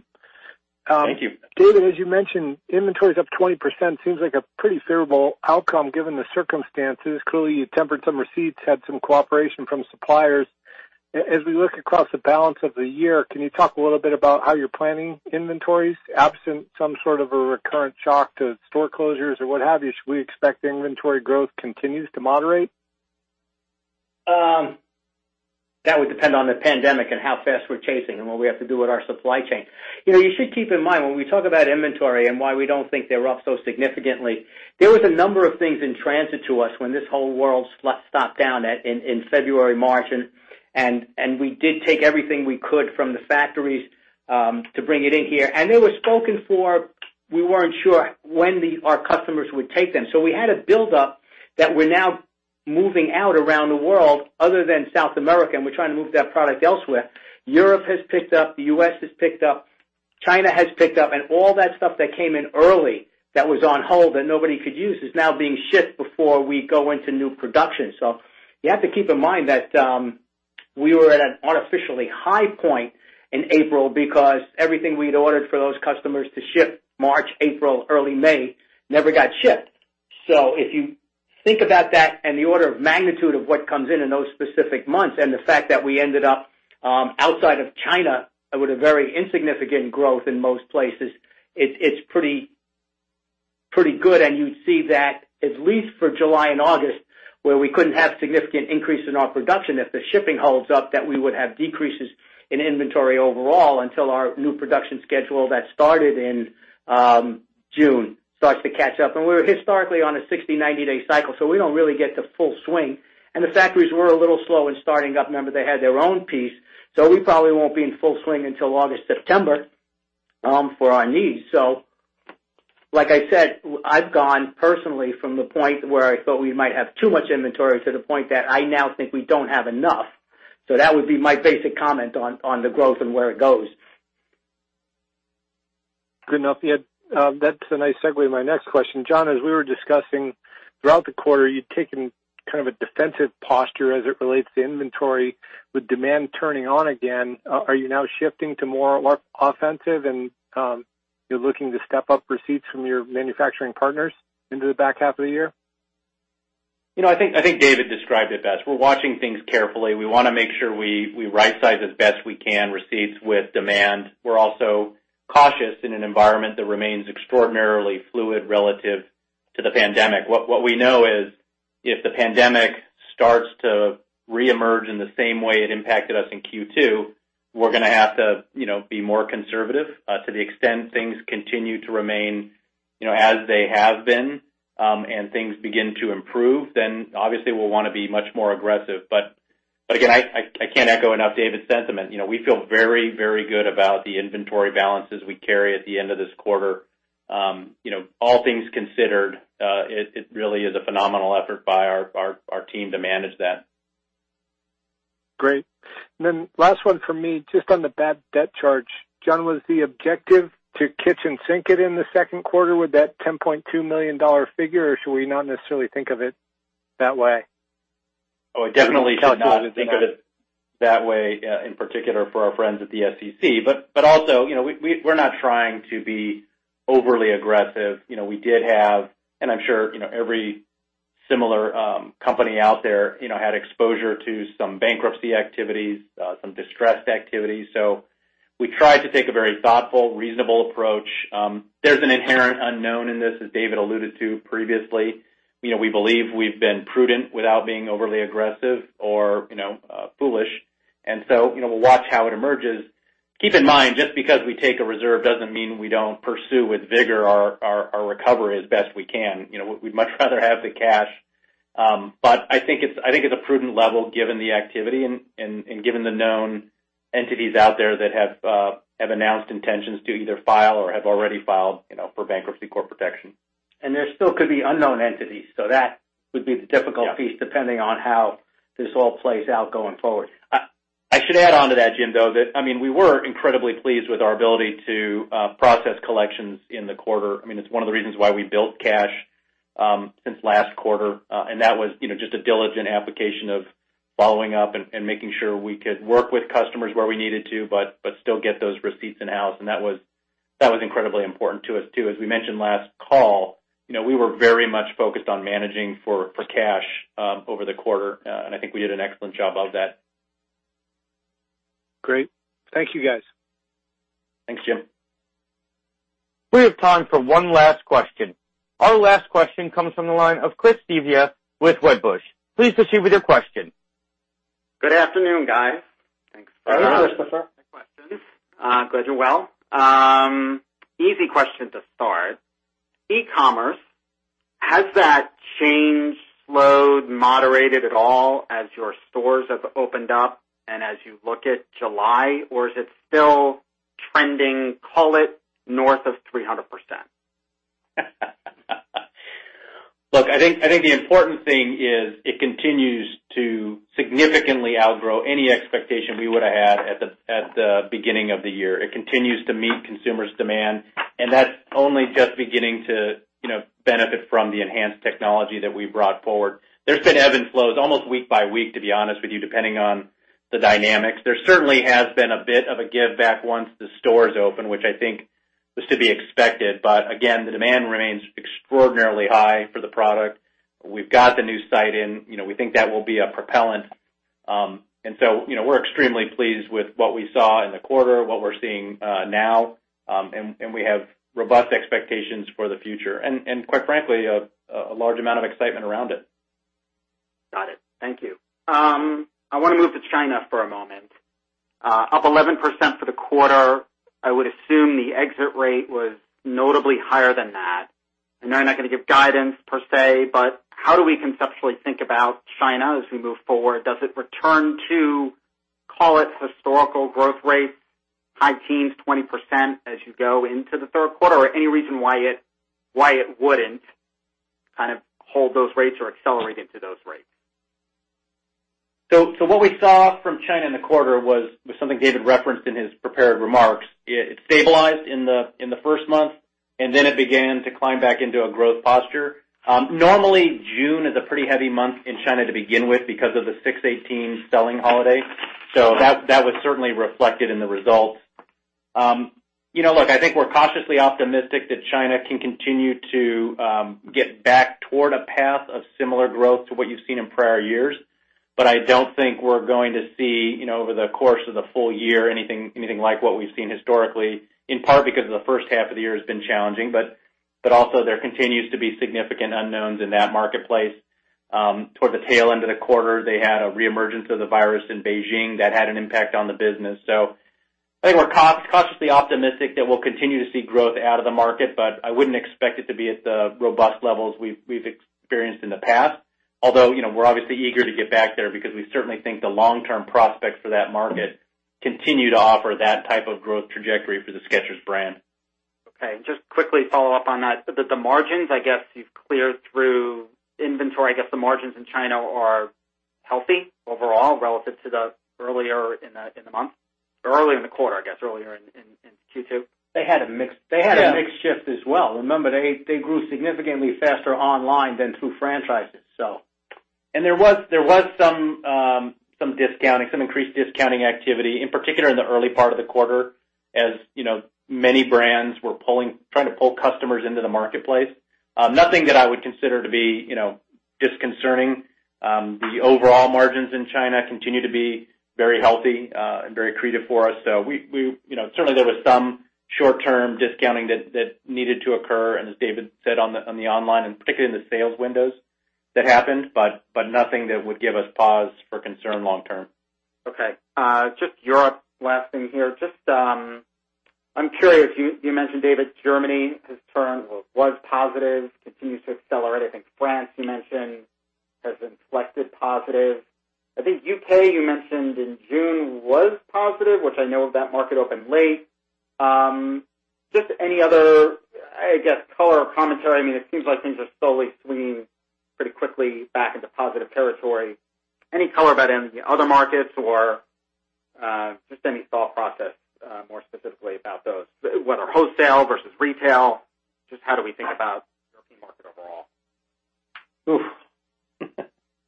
C: Thank you.
M: David, as you mentioned, inventory is up 20%. Seems like a pretty favorable outcome given the circumstances. Clearly, you tempered some receipts, had some cooperation from suppliers. As we look across the balance of the year, can you talk a little bit about how you're planning inventories absent some sort of a recurrent shock to store closures or what have you? Should we expect inventory growth continues to moderate?
B: That would depend on the pandemic and how fast we're chasing and what we have to do with our supply chain. You should keep in mind, when we talk about inventory and why we don't think they're up so significantly, there was a number of things in transit to us when this whole world stopped down in February, March, and we did take everything we could from the factories to bring it in here. It was spoken for. We weren't sure when our customers would take them. We had a build up that we're now moving out around the world other than South America, and we're trying to move that product elsewhere. Europe has picked up, the U.S. has picked up, China has picked up, all that stuff that came in early that was on hold that nobody could use is now being shipped before we go into new production. You have to keep in mind that we were at an artificially high point in April because everything we'd ordered for those customers to ship March, April, early May never got shipped. If you think about that and the order of magnitude of what comes in in those specific months and the fact that we ended up, outside of China, with a very insignificant growth in most places, it's pretty good. You see that at least for July and August, where we couldn't have significant increase in our production if the shipping holds up, that we would have decreases in inventory overall until our new production schedule that started in June starts to catch up. We're historically on a 60-, 90-day cycle, so we don't really get to full swing. The factories were a little slow in starting up. Remember, they had their own piece, so we probably won't be in full swing until August, September for our needs. Like I said, I've gone personally from the point where I thought we might have too much inventory to the point that I now think we don't have enough. That would be my basic comment on the growth and where it goes.
M: Good enough. Yeah. That's a nice segue to my next question. John, as we were discussing throughout the quarter, you've taken kind of a defensive posture as it relates to inventory with demand turning on again. Are you now shifting to more offensive and you're looking to step up receipts from your manufacturing partners into the back half of the year?
C: I think David described it best. We're watching things carefully. We want to make sure we right size as best we can, receipts with demand. We're also cautious in an environment that remains extraordinarily fluid relative to the pandemic. What we know is if the pandemic starts to reemerge in the same way it impacted us in Q2, we're going to have to be more conservative. To the extent things continue to remain as they have been and things begin to improve, then obviously we'll want to be much more aggressive. Again, I can't echo enough David's sentiment. We feel very, very good about the inventory balances we carry at the end of this quarter. All things considered, it really is a phenomenal effort by our team to manage that.
M: Great. Last one from me, just on the bad debt charge. John, was the objective to kitchen sink it in the second quarter with that $10.2 million figure, or should we not necessarily think of it that way?
C: Definitely should not think of it that way, in particular for our friends at the SEC. Also, we're not trying to be overly aggressive. We did have, and I'm sure every similar company out there had exposure to some bankruptcy activities, some distressed activities. We tried to take a very thoughtful, reasonable approach. There's an inherent unknown in this, as David alluded to previously. We believe we've been prudent without being overly aggressive or foolish. We'll watch how it emerges. Keep in mind, just because we take a reserve doesn't mean we don't pursue with vigor our recovery as best we can. We'd much rather have the cash. I think it's a prudent level given the activity and given the known entities out there that have announced intentions to either file or have already filed for bankruptcy court protection.
B: There still could be unknown entities. That would be the difficult piece, depending on how this all plays out going forward.
C: I should add on to that, Jim, though, that, we were incredibly pleased with our ability to process collections in the quarter. It's one of the reasons why we built cash since last quarter. That was just a diligent application of following up and making sure we could work with customers where we needed to, but still get those receipts in-house. That was incredibly important to us, too. As we mentioned last call, we were very much focused on managing for cash over the quarter. I think we did an excellent job of that.
M: Great. Thank you, guys.
C: Thanks, Jim.
D: We have time for one last question. Our last question comes from the line of Chris Svezia with Wedbush. Please proceed with your question.
N: Good afternoon, guys.
C: Thanks for joining us, Christopher.
N: Questions. Glad you're well. Easy question to start. E-commerce, has that change slowed, moderated at all as your stores have opened up and as you look at July? Or is it still trending, call it north of 300%?
C: Look, I think the important thing is it continues to significantly outgrow any expectation we would have had at the beginning of the year. It continues to meet consumers' demand, and that's only just beginning to benefit from the enhanced technology that we brought forward. There's been ebbs and flows almost week-by-week, to be honest with you, depending on the dynamics. There certainly has been a bit of a give back once the stores open, which I think was to be expected. Again, the demand remains extraordinarily high for the product. We've got the new site in. We think that will be a propellant. We're extremely pleased with what we saw in the quarter, what we're seeing now. We have robust expectations for the future. Quite frankly, a large amount of excitement around it.
N: Got it. Thank you. I want to move to China for a moment. Up 11% for the quarter. I would assume the exit rate was notably higher than that. I know you're not going to give guidance per se, but how do we conceptually think about China as we move forward? Does it return to, call it historical growth rates, high teens, 20% as you go into the third quarter? Any reason why it wouldn't kind of hold those rates or accelerate into those rates?
C: What we saw from China in the quarter was something David referenced in his prepared remarks. It stabilized in the first month, then it began to climb back into a growth posture. Normally, June is a pretty heavy month in China to begin with because of the 618 selling holiday. That was certainly reflected in the results. Look, I think we're cautiously optimistic that China can continue to get back toward a path of similar growth to what you've seen in prior years. I don't think we're going to see over the course of the full year anything like what we've seen historically, in part because the first half of the year has been challenging, also there continues to be significant unknowns in that marketplace. Toward the tail end of the quarter, they had a reemergence of the virus in Beijing that had an impact on the business. I think we're cautiously optimistic that we'll continue to see growth out of the market, but I wouldn't expect it to be at the robust levels we've experienced in the past. Although, we're obviously eager to get back there because we certainly think the long-term prospects for that market continue to offer that type of growth trajectory for the Skechers brand.
N: Okay. Just quickly follow up on that. The margins, I guess you've cleared through inventory. I guess the margins in China are healthy overall relative to the earlier in the month or early in the quarter, I guess earlier in Q2.
C: They had a mix shift as well. Remember, they grew significantly faster online than through franchises. There was some increased discounting activity, in particular in the early part of the quarter, as many brands were trying to pull customers into the marketplace. Nothing that I would consider to be disconcerting. The overall margins in China continue to be very healthy and very accretive for us. Certainly there was some short-term discounting that needed to occur, and as David said, on the online and particularly in the sales windows that happened, but nothing that would give us pause for concern long term.
N: Okay. Just Europe, last thing here. I'm curious, you mentioned, David, Germany has turned or was positive, continues to accelerate. I think France, you mentioned, has inflected positive. I think U.K., you mentioned in June was positive, which I know that market opened late. Just any other, I guess, color or commentary. It seems like things are slowly swinging pretty quickly back into positive territory. Any color about any other markets or just any thought process more specifically about those, whether wholesale versus retail, just how do we think about the European market overall?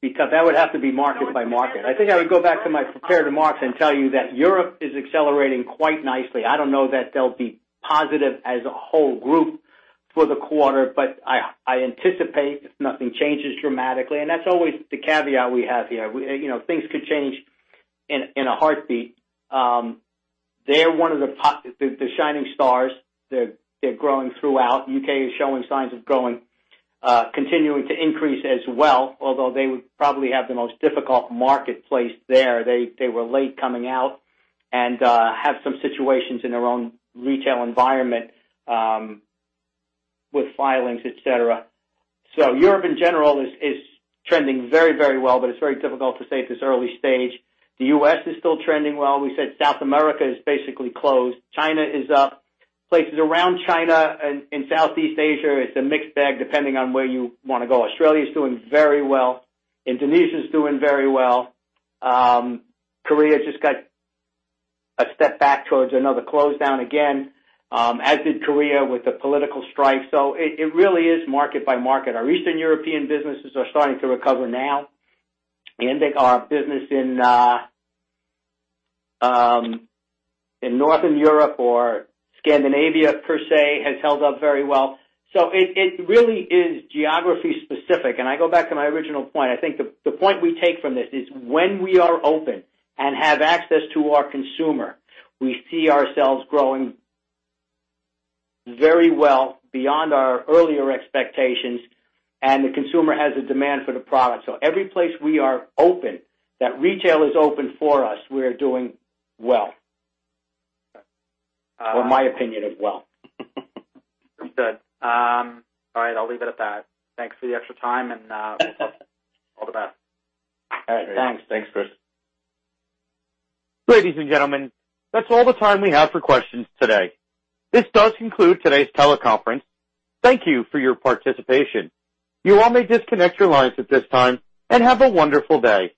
B: That would have to be market-by-market. I think I would go back to my prepared remarks and tell you that Europe is accelerating quite nicely. I don't know that they'll be positive as a whole group for the quarter. I anticipate if nothing changes dramatically, and that's always the caveat we have here. Things could change in a heartbeat. They're one of the shining stars. They're growing throughout. U.K. is showing signs of continuing to increase as well, although they would probably have the most difficult marketplace there. They were late coming out and have some situations in their own retail environment with filings, et cetera. Europe in general is trending very well. It's very difficult to say at this early stage. The U.S. is still trending well. We said South America is basically closed. China is up. Places around China and in Southeast Asia, it's a mixed bag depending on where you want to go. Australia's doing very well. Indonesia's doing very well. Korea just got a step back towards another close down again, as did Korea with the political strife. It really is market by market. Our Eastern European businesses are starting to recover now. Our business in Northern Europe or Scandinavia per se, has held up very well. It really is geography specific, and I go back to my original point. I think the point we take from this is when we are open and have access to our consumer, we see ourselves growing very well beyond our earlier expectations, and the consumer has a demand for the product. Every place we are open, that retail is open for us, we are doing well. My opinion is well.
N: Good. All right, I'll leave it at that. Thanks for the extra time, and all the best.
B: All right. Thanks.
C: Thanks, Chris.
D: Ladies and gentlemen, that is all the time we have for questions today. This does conclude today's teleconference. Thank you for your participation. You all may disconnect your lines at this time, and have a wonderful day.